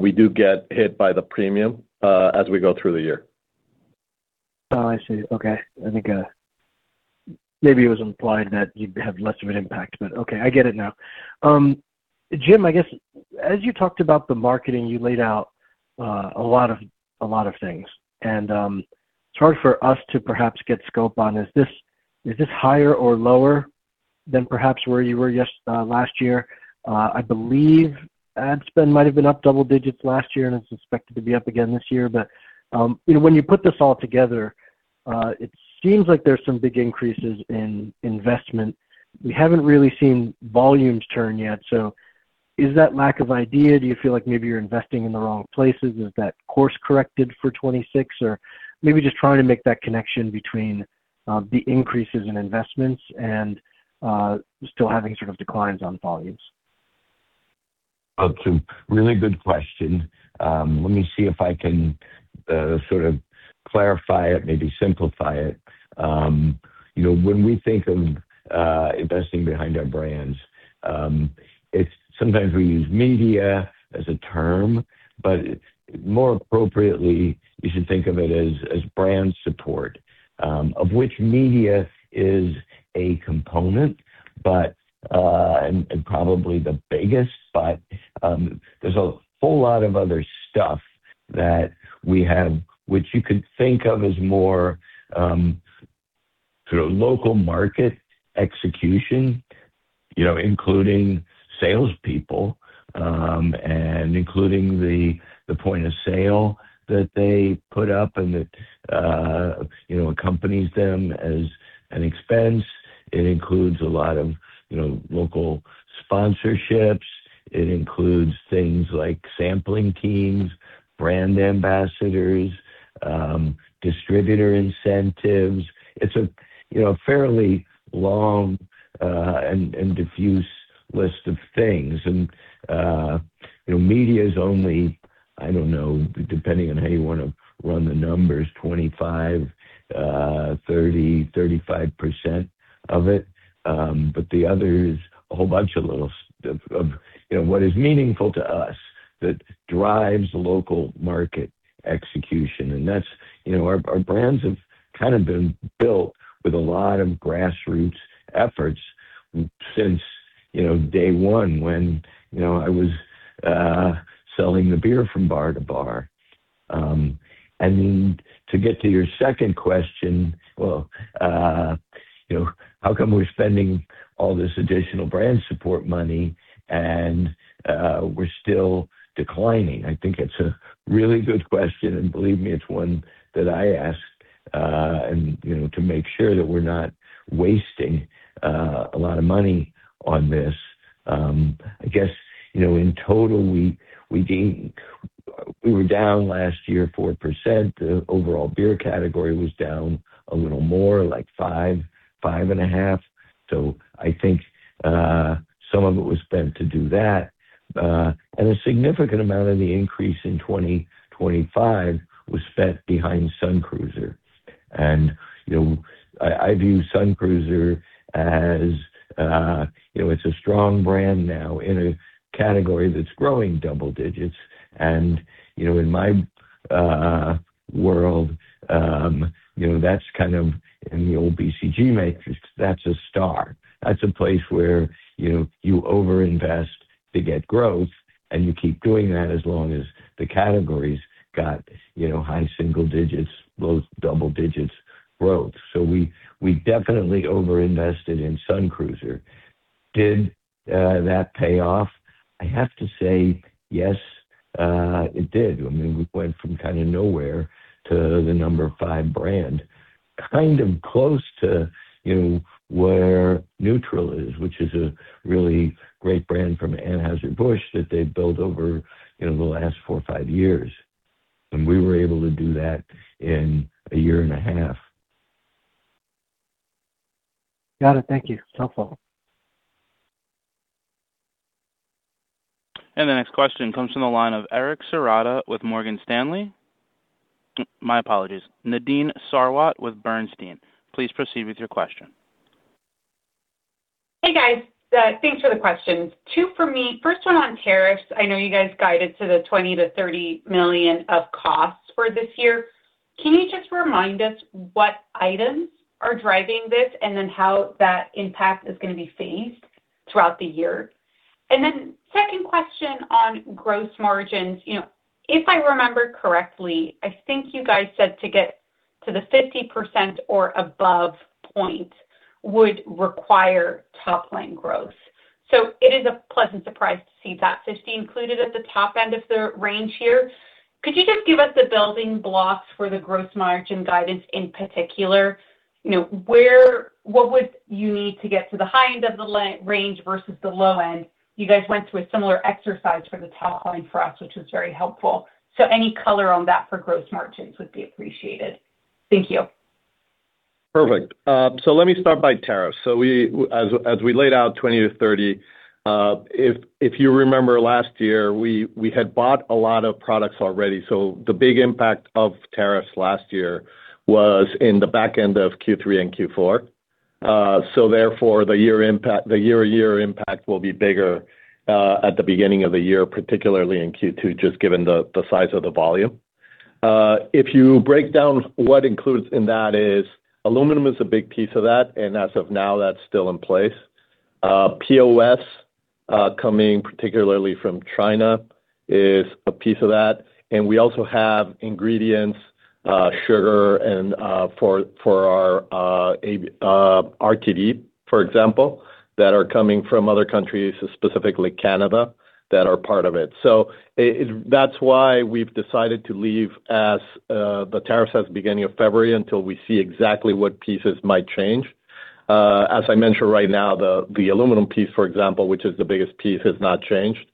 We do get hit by the premium as we go through the year. Oh, I see. Okay. I think maybe it was implied that you'd have less of an impact, but okay, I get it now. Jim, I guess, as you talked about the marketing, you laid out a lot of things. It's hard for us to perhaps get scope on, is this higher or lower than perhaps where you were just last year? I believe ad spend might have been up double digits last year, and it's expected to be up again this year. You know, when you put this all together, it seems like there's some big increases in investment. We haven't really seen volumes turn yet, so is that lack of idea? Do you feel like maybe you're investing in the wrong places? Is that course-corrected for 26, or maybe just trying to make that connection between the increases in investments and still having sort of declines on volumes? That's a really good question. Let me see if I can sort of clarify it, maybe simplify it. You know, when we think of investing behind our brands, it's sometimes we use media as a term, but more appropriately, you should think of it as brand support, of which media is a component, but, and probably the biggest. There's a whole lot of other stuff that we have, which you could think of as more sort of local market execution, you know, including salespeople, and including the point of sale that they put up and that, you know, accompanies them as an expense. It includes a lot of, you know, local sponsorships. It includes things like sampling teams, brand ambassadors, distributor incentives. It's a, you know, fairly long, and diffuse list of things. You know, media is only, I don't know, depending on how you want to run the numbers, 25%, 30%, 35% of it. The other is a whole bunch of little of, you know, what is meaningful to us that drives local market execution. That's, you know, our brands have kind of been built with a lot of grassroots efforts since, you know, day one, when, you know, I was selling the beer from bar to bar. To get to your second question, well, you know, how come we're spending all this additional brand support money and, we're still declining? I think it's a really good question, and believe me, it's one that I ask, you know, to make sure that we're not wasting a lot of money on this. I guess, you know, in total, we were down last year, 4%. The overall beer category was down a little more, like 5.5%. I think some of it was spent to do that. A significant amount of the increase in 2025 was spent behind Sun Cruiser. You know, I view Sun Cruiser as, you know, it's a strong brand now in a category that's growing double digits. You know, in my world, you know, that's kind of in the old BCG matrix, that's a star. That's a place where, you know, you overinvest to get growth, and you keep doing that as long as the categories got, you know, high single digits, low double digits growth. We definitely overinvested in Sun Cruiser. Did that pay off? I have to say yes, it did. I mean, we went from kind of nowhere to the number five brand, kind of close to, you know, where NÜTRL is, which is a really great brand from Anheuser-Busch that they've built over, you know, the last four or five years, and we were able to do that in a year and a half. Got it. Thank you. Helpful. The next question comes from the line of Eric Serota with Morgan Stanley. My apologies, Nadine Sarwat with Bernstein. Please proceed with your question. Hey, guys. Thanks for the questions. Two for me. First one on tariffs. I know you guys guided to the $20 million-$30 million of costs for this year. Can you just remind us what items are driving this, and then how that impact is going to be phased throughout the year? Second question on gross margins. You know, if I remember correctly, I think you guys said to get to the 50% or above point would require top line growth. So it is a pleasant surprise to see that 50% included at the top end of the range here. Could you just give us the building blocks for the gross margin guidance in particular? You know, what would you need to get to the high end of the range versus the low end? You guys went through a similar exercise for the top line for us, which was very helpful. Any color on that for gross margins would be appreciated. Thank you. Perfect. Let me start by tariffs. We, as we laid out 20-30, if you remember last year, we had bought a lot of products already. The big impact of tariffs last year was in the back end of Q3 and Q4. Therefore, the year-over-year impact will be bigger at the beginning of the year, particularly in Q2, just given the size of the volume. If you break down what includes in that is, aluminum is a big piece of that, and as of now, that's still in place. POS coming particularly from China, is a piece of that. We also have ingredients, sugar and for our RTD, for example, that are coming from other countries, specifically Canada, that are part of it. That's why we've decided to leave as the tariffs at the beginning of February until we see exactly what pieces might change. As I mentioned right now, the aluminum piece, for example, which is the biggest piece, has not changed.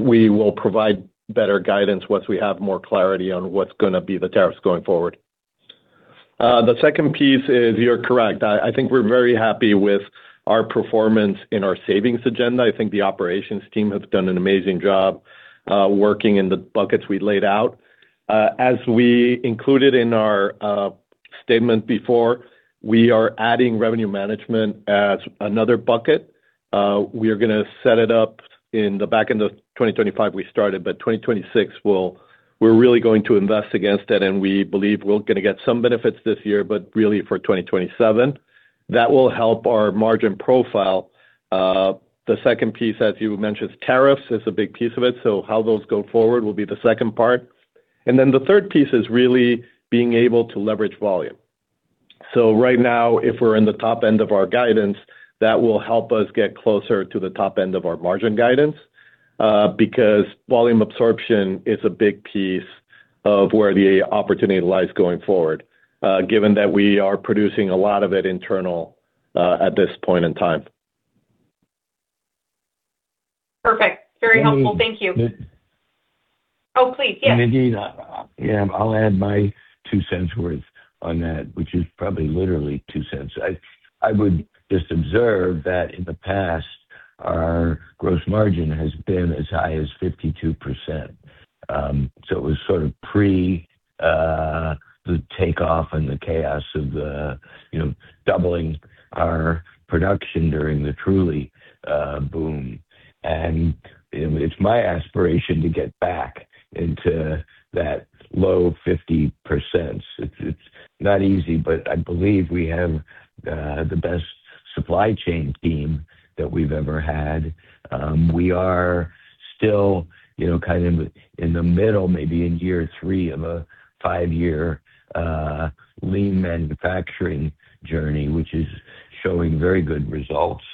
We will provide better guidance once we have more clarity on what's gonna be the tariffs going forward. The second piece is, you're correct. I think we're very happy with our performance in our savings agenda. I think the operations team has done an amazing job, working in the buckets we laid out. As we included in our statement before, we are adding revenue management as another bucket. We are gonna set it up in the back end of 2025, we started. 2026, we're really going to invest against it, and we believe we're gonna get some benefits this year, but really for 2027. That will help our margin profile. The second piece, as you mentioned, tariffs is a big piece of it. How those go forward will be the second part. The third piece is really being able to leverage volume. Right now, if we're in the top end of our guidance, that will help us get closer to the top end of our margin guidance, because volume absorption is a big piece of where the opportunity lies going forward, given that we are producing a lot of it internal, at this point in time. Perfect. Very helpful. Thank you. Nadine- Oh, please. Yes. Nadine, yeah, I'll add my 2 cents worth on that, which is probably literally 2 cents. I would just observe that in the past, our gross margin has been as high as 52%. It was sort of pre the takeoff and the chaos of the, you know, doubling our production during the Truly boom. It's my aspiration to get back into that low 50%. It's not easy, but I believe we have the best supply chain team that we've ever had. We are still, you know, kind of in the middle, maybe in year 3 of a 5-year lean manufacturing journey, which is showing very good results.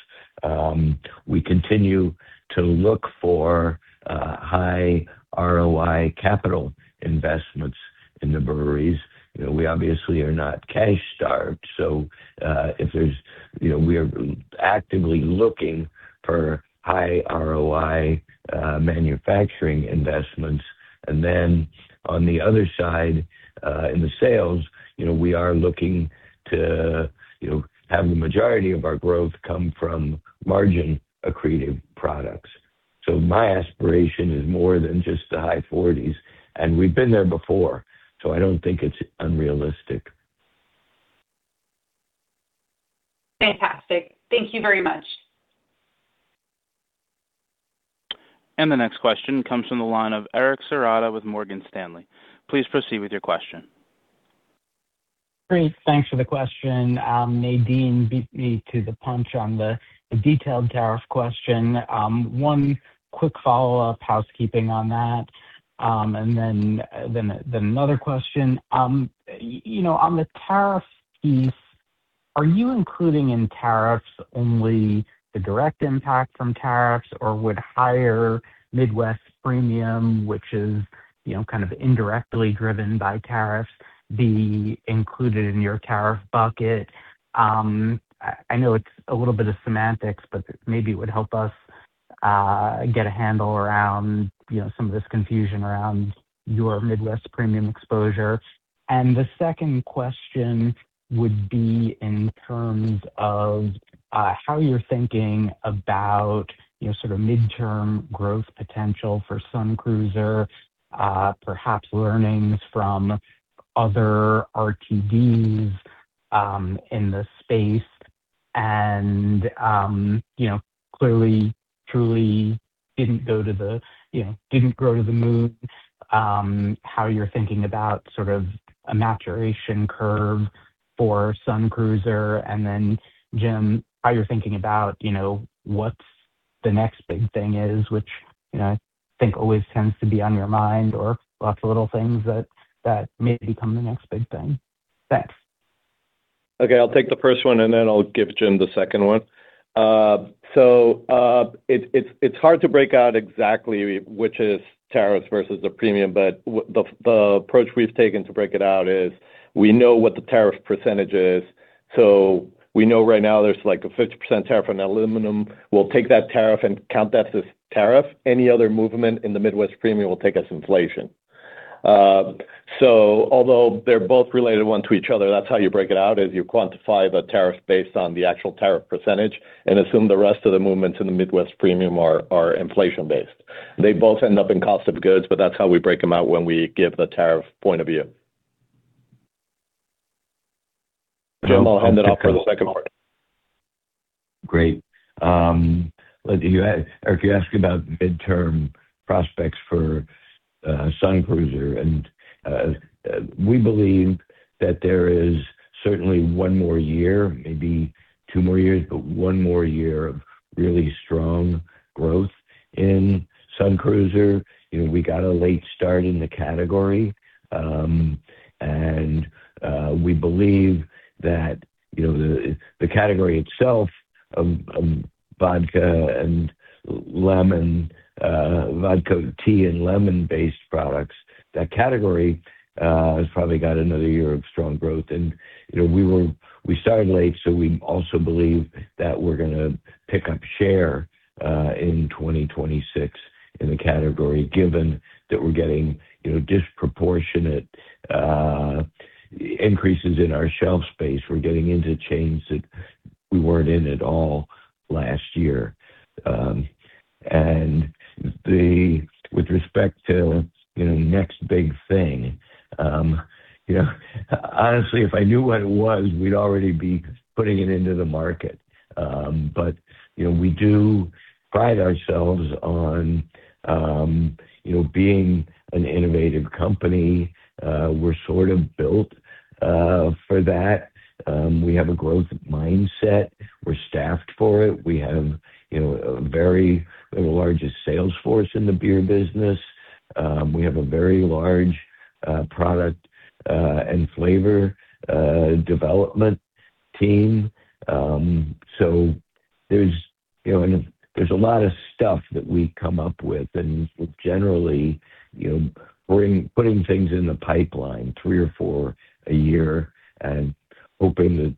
We continue to look for high ROI capital investments in the breweries. You know, we obviously are not cash-starved, so, if there's, you know, we are actively looking for high ROI, manufacturing investments. On the other side, in the sales, you know, we are looking to, you know, have the majority of our growth come from margin accretive products. My aspiration is more than just the high 40s, and we've been there before, so I don't think it's unrealistic. Fantastic. Thank you very much. The next question comes from the line of Eric Serotta with Morgan Stanley. Please proceed with your question. Great. Thanks for the question. Nadine beat me to the punch on the detailed tariff question. One quick follow-up, housekeeping on that, and then another question. You know, on the tariff piece, are you including in tariffs only the direct impact from tariffs, or would higher Midwest Premium, which is, you know, kind of indirectly driven by tariffs, be included in your tariff bucket? I know it's a little bit of semantics, but maybe it would help us get a handle around, you know, some of this confusion around your Midwest Premium exposure. The second question would be in terms of how you're thinking about, you know, sort of midterm growth potential for Sun Cruiser, perhaps learnings from-... other RTDs, in the space, you know, clearly, Truly didn't grow to the moon, how you're thinking about sort of a maturation curve for Sun Cruiser? Jim, how you're thinking about, you know, what's the next big thing is, which, you know, I think always tends to be on your mind or lots of little things that may become the next big thing. Thanks. I'll take the first one, then I'll give Jim the second one. It's hard to break out exactly which is tariffs versus the Midwest Premium, but the approach we've taken to break it out is we know what the tariff % is, so we know right now there's, like, a 50% tariff on aluminum. We'll take that tariff and count that as tariff. Any other movement in the Midwest Premium will take as inflation. Although they're both related one to each other, that's how you break it out, is you quantify the tariff based on the actual tariff % and assume the rest of the movements in the Midwest Premium are inflation-based. They both end up in cost of goods, that's how we break them out when we give the tariff point of view. Jim, I'll hand it off for the second part. Great. Eric, you asked about midterm prospects for Sun Cruiser, and we believe that there is certainly one more year, maybe two more years, but one more year of really strong growth in Sun Cruiser. You know, we got a late start in the category, and we believe that, you know, the category itself, vodka and lemon, vodka, tea, and lemon-based products, that category has probably got another year of strong growth. You know, we started late, so we also believe that we're gonna pick up share in 2026 in the category, given that we're getting, you know, disproportionate increases in our shelf space. We're getting into chains that we weren't in at all last year. The, with respect to, you know, next big thing, you know, honestly, if I knew what it was, we'd already be putting it into the market. You know, we do pride ourselves on, you know, being an innovative company. We're sort of built for that. We have a growth mindset. We're staffed for it. We have, you know, a very, the largest sales force in the beer business. We have a very large product and flavor development team. There's, you know, there's a lot of stuff that we come up with, and generally, you know, we're putting things in the pipeline three or four a year and hoping that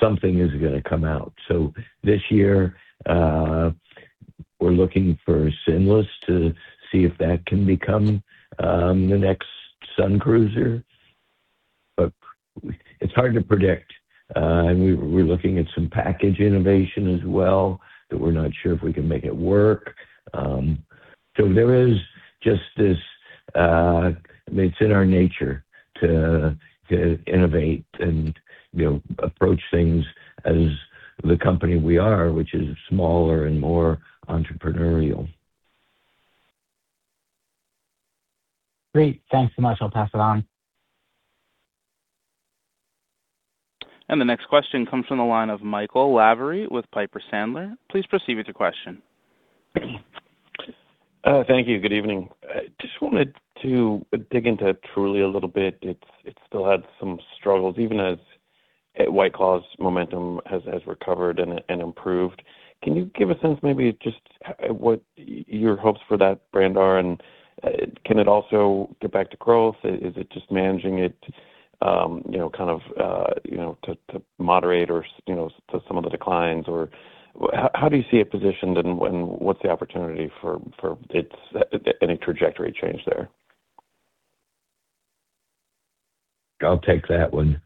something is gonna come out. This year, we're looking for Sinless to see if that can become the next Sun Cruiser, but it's hard to predict. We're looking at some package innovation as well, but we're not sure if we can make it work. There is just this, it's in our nature to innovate and, you know, approach things as the company we are, which is smaller and more entrepreneurial. Great. Thanks so much. I'll pass it on. The next question comes from the line of Michael Lavery with Piper Sandler. Please proceed with your question. Thank you. Good evening. I just wanted to dig into Truly a little bit. It still had some struggles, even as White Claw's momentum has recovered and improved. Can you give a sense, maybe just what your hopes for that brand are, and can it also get back to growth? Is it just managing it, you know, kind of, you know, to moderate or, you know, to some of the declines, or how do you see it positioned, and what's the opportunity for its any trajectory change there? I'll take that one.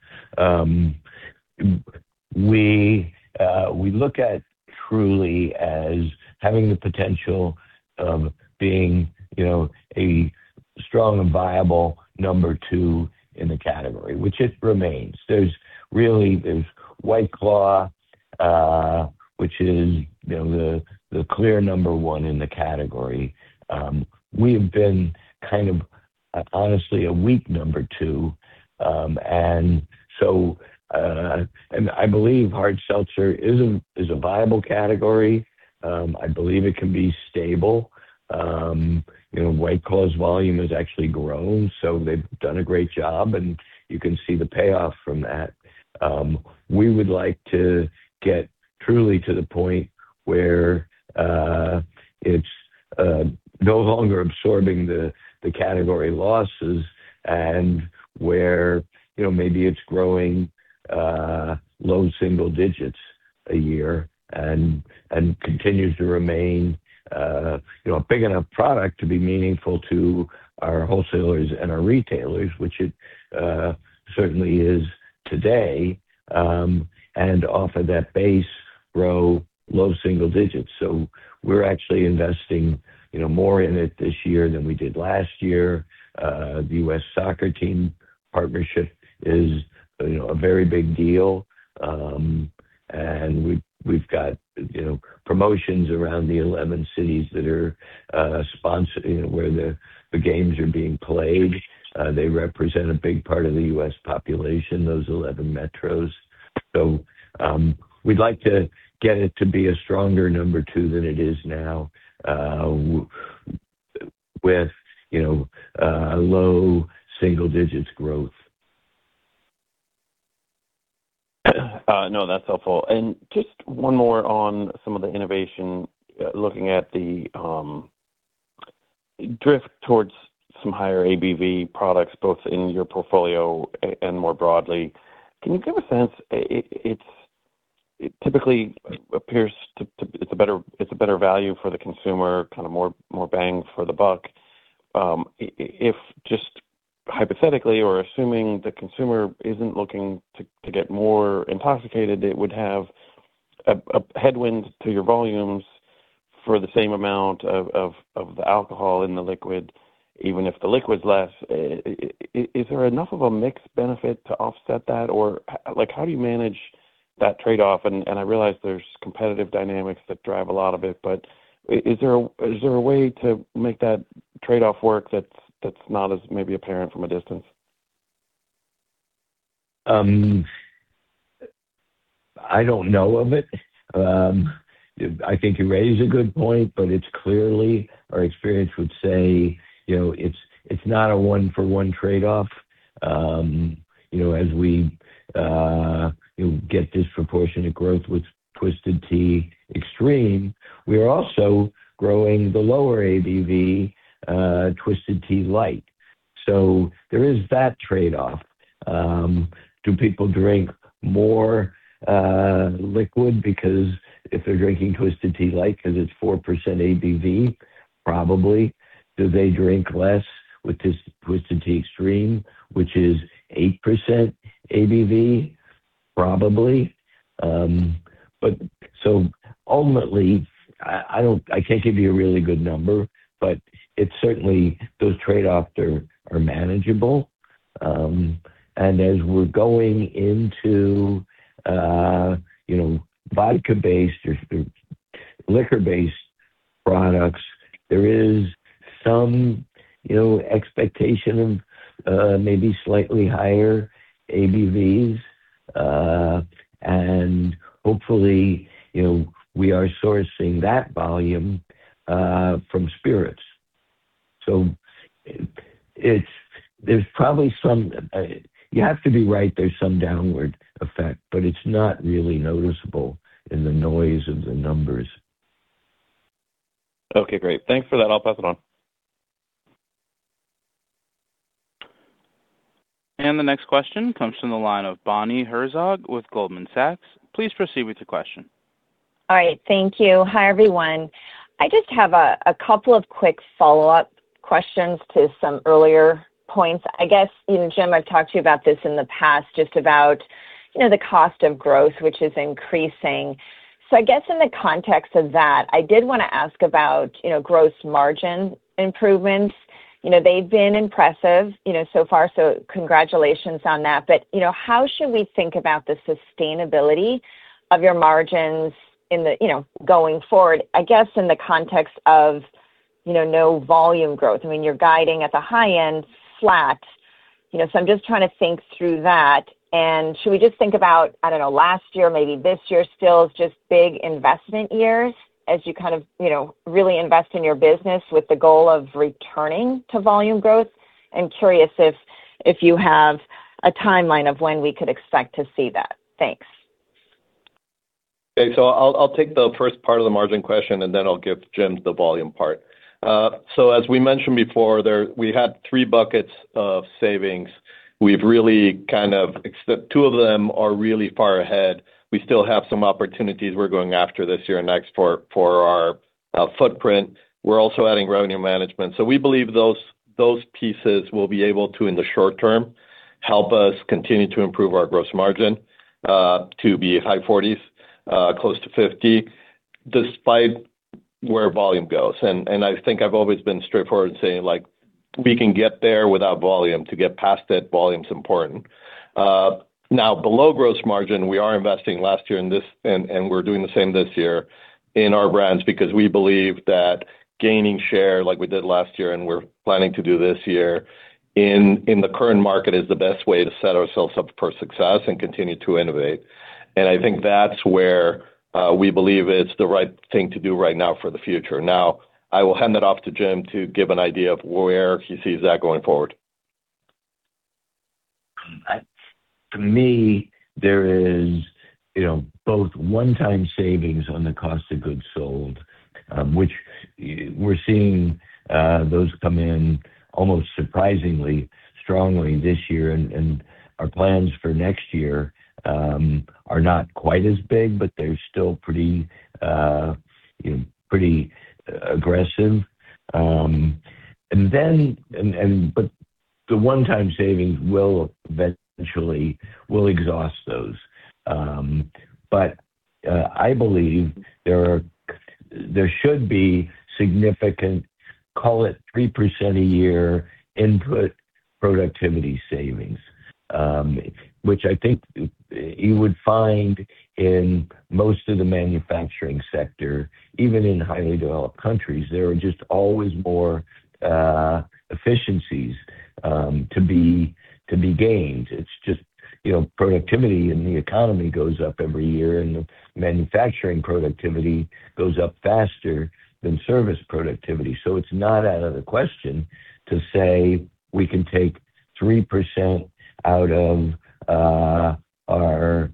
We look at Truly as having the potential of being, you know, a strong and viable number two in the category, which it remains. There's really, there's White Claw, which is, you know, the clear number one in the category. We have been kind of, honestly, a weak number two. I believe hard seltzer is a viable category. I believe it can be stable. You know, White Claw's volume has actually grown, so they've done a great job, and you can see the payoff from that. We would like to get Truly to the point where it's no longer absorbing the category losses and where, you know, maybe it's growing low single digits a year and continues to remain, you know, a big enough product to be meaningful to our wholesalers and our retailers, which it certainly is today, and off of that base grow low single digits. We're actually investing, you know, more in it this year than we did last year. The U.S. Soccer team partnership is, you know, a very big deal. We've got, you know, promotions around the 11 cities that are sponsoring, where the games are being played. They represent a big part of the U.S. population, those 11 metros. We'd like to get it to be a stronger number 2 than it is now, with, you know, low single-digit growth. No, that's helpful. Just one more on some of the innovation, looking at the drift towards some higher ABV products, both in your portfolio and more broadly. Can you give a sense, it's, it typically appears to, it's a better, it's a better value for the consumer, kind of more, more bang for the buck. If just hypothetically or assuming the consumer isn't looking to get more intoxicated, it would have a headwind to your volumes for the same amount of the alcohol in the liquid, even if the liquid's less. Is there enough of a mixed benefit to offset that? Or like, how do you manage that trade-off? I realize there's competitive dynamics that drive a lot of it, but is there a way to make that trade-off work that's not as maybe apparent from a distance? I don't know of it. I think you raised a good point, but it's clearly our experience would say, you know, it's not a one-for-one trade-off. You know, as we, you know, get disproportionate growth with Twisted Tea Extreme, we are also growing the lower ABV, Twisted Tea Light. There is that trade-off. Do people drink more liquid because if they're drinking Twisted Tea Light, because it's 4% ABV? Probably. Do they drink less with this Twisted Tea Extreme, which is 8% ABV? Probably. Ultimately, I can't give you a really good number, but it's certainly those trade-offs are manageable. As we're going into, you know, vodka-based or liquor-based products, there is some, you know, expectation of maybe slightly higher ABVs. Hopefully, you know, we are sourcing that volume from spirits. It's, there's probably some, you have to be right, there's some downward effect, but it's not really noticeable in the noise of the numbers. Okay, great. Thanks for that. I'll pass it on. The next question comes from the line of Bonnie Herzog with Goldman Sachs. Please proceed with your question. All right, thank you. Hi, everyone. I just have a couple of quick follow-up questions to some earlier points. I guess, you know, Jim, I've talked to you about this in the past, just about, you know, the cost of growth, which is increasing. I guess in the context of that, I did want to ask about, you know, gross margin improvements. You know, they've been impressive, you know, so far, so congratulations on that. You know, how should we think about the sustainability of your margins in the, you know, going forward? I guess in the context of, you know, no volume growth. I mean, you're guiding at the high end flat, you know, so I'm just trying to think through that. Should we just think about, I don't know, last year, maybe this year still is just big investment years as you kind of, you know, really invest in your business with the goal of returning to volume growth? I'm curious if you have a timeline of when we could expect to see that. Thanks. I'll take the first part of the margin question, and then I'll give Jim the volume part. As we mentioned before, there, we had three buckets of savings. We've really kind of Two of them are really far ahead. We still have some opportunities we're going after this year and next for our footprint. We're also adding revenue management. We believe those pieces will be able to, in the short term, help us continue to improve our gross margin, to be high 40s, close to 50, despite where volume goes. I think I've always been straightforward in saying, like, we can get there without volume. To get past that, volume is important. Now, below gross margin, we are investing last year in this, and we're doing the same this year in our brands because we believe that gaining share, like we did last year and we're planning to do this year, in the current market, is the best way to set ourselves up for success and continue to innovate. I think that's where we believe it's the right thing to do right now for the future. Now, I will hand it off to Jim to give an idea of where he sees that going forward. To me, there is, you know, both one-time savings on the cost of goods sold, which, we're seeing those come in almost surprisingly strongly this year. Our plans for next year are not quite as big, but they're still pretty, you know, pretty aggressive. The one-time savings will eventually exhaust those. I believe there should be significant, call it 3% a year input productivity savings, which I think you would find in most of the manufacturing sector. Even in highly developed countries, there are just always more efficiencies to be gained. It's just, you know, productivity in the economy goes up every year, and manufacturing productivity goes up faster than service productivity. It's not out of the question to say we can take 3% out of our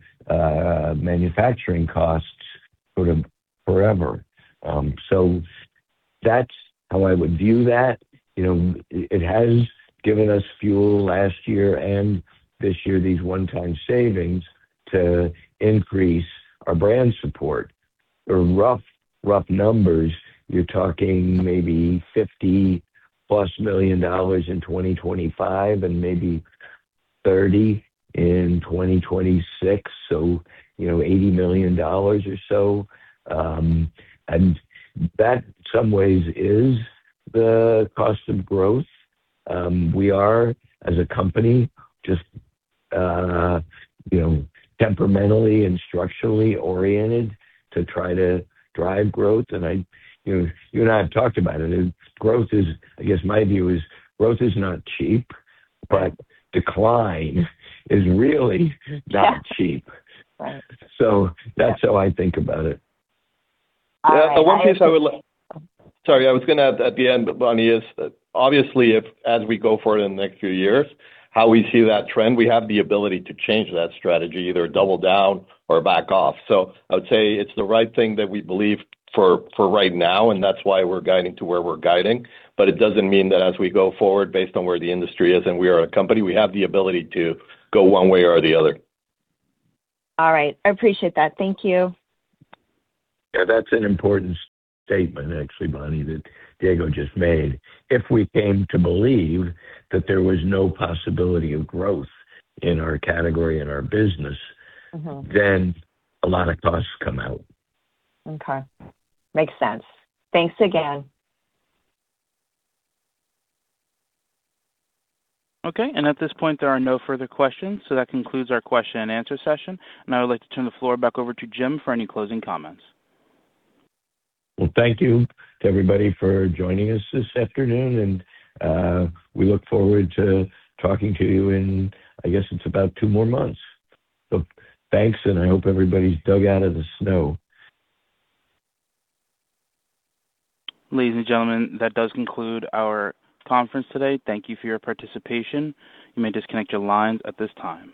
manufacturing costs sort of forever. That's how I would view that. You know, it has given us fuel last year and this year, these one-time savings to increase our brand support. The rough numbers, you're talking maybe $50+ million in 2025 and maybe 30 in 2026, you know, $80 million or so. That, in some ways, is the cost of growth. We are, as a company, just, you know, temperamentally and structurally oriented to try to drive growth. I, you know, you and I have talked about it. Growth is I guess my view is growth is not cheap, decline is really not cheap. Yeah. That's how I think about it. All right. Yeah, Bonnie, is obviously, if as we go forward in the next few years, how we see that trend, we have the ability to change that strategy, either double down or back off. I would say it's the right thing that we believe for right now, and that's why we're guiding to where we're guiding. It doesn't mean that as we go forward, based on where the industry is, and we are a company, we have the ability to go one way or the other. All right. I appreciate that. Thank you. Yeah, that's an important statement, actually, Bonnie, that Diego just made. If we came to believe that there was no possibility of growth in our category and our business a lot of costs come out. Okay. Makes sense. Thanks again. Okay, at this point, there are no further questions. That concludes our question and answer session, and I would like to turn the floor back over to Jim for any closing comments. Thank you to everybody for joining us this afternoon, and we look forward to talking to you in, I guess, it's about 2 more months. Thanks, and I hope everybody's dug out of the snow. Ladies and gentlemen, that does conclude our conference today. Thank you for your participation. You may disconnect your lines at this time.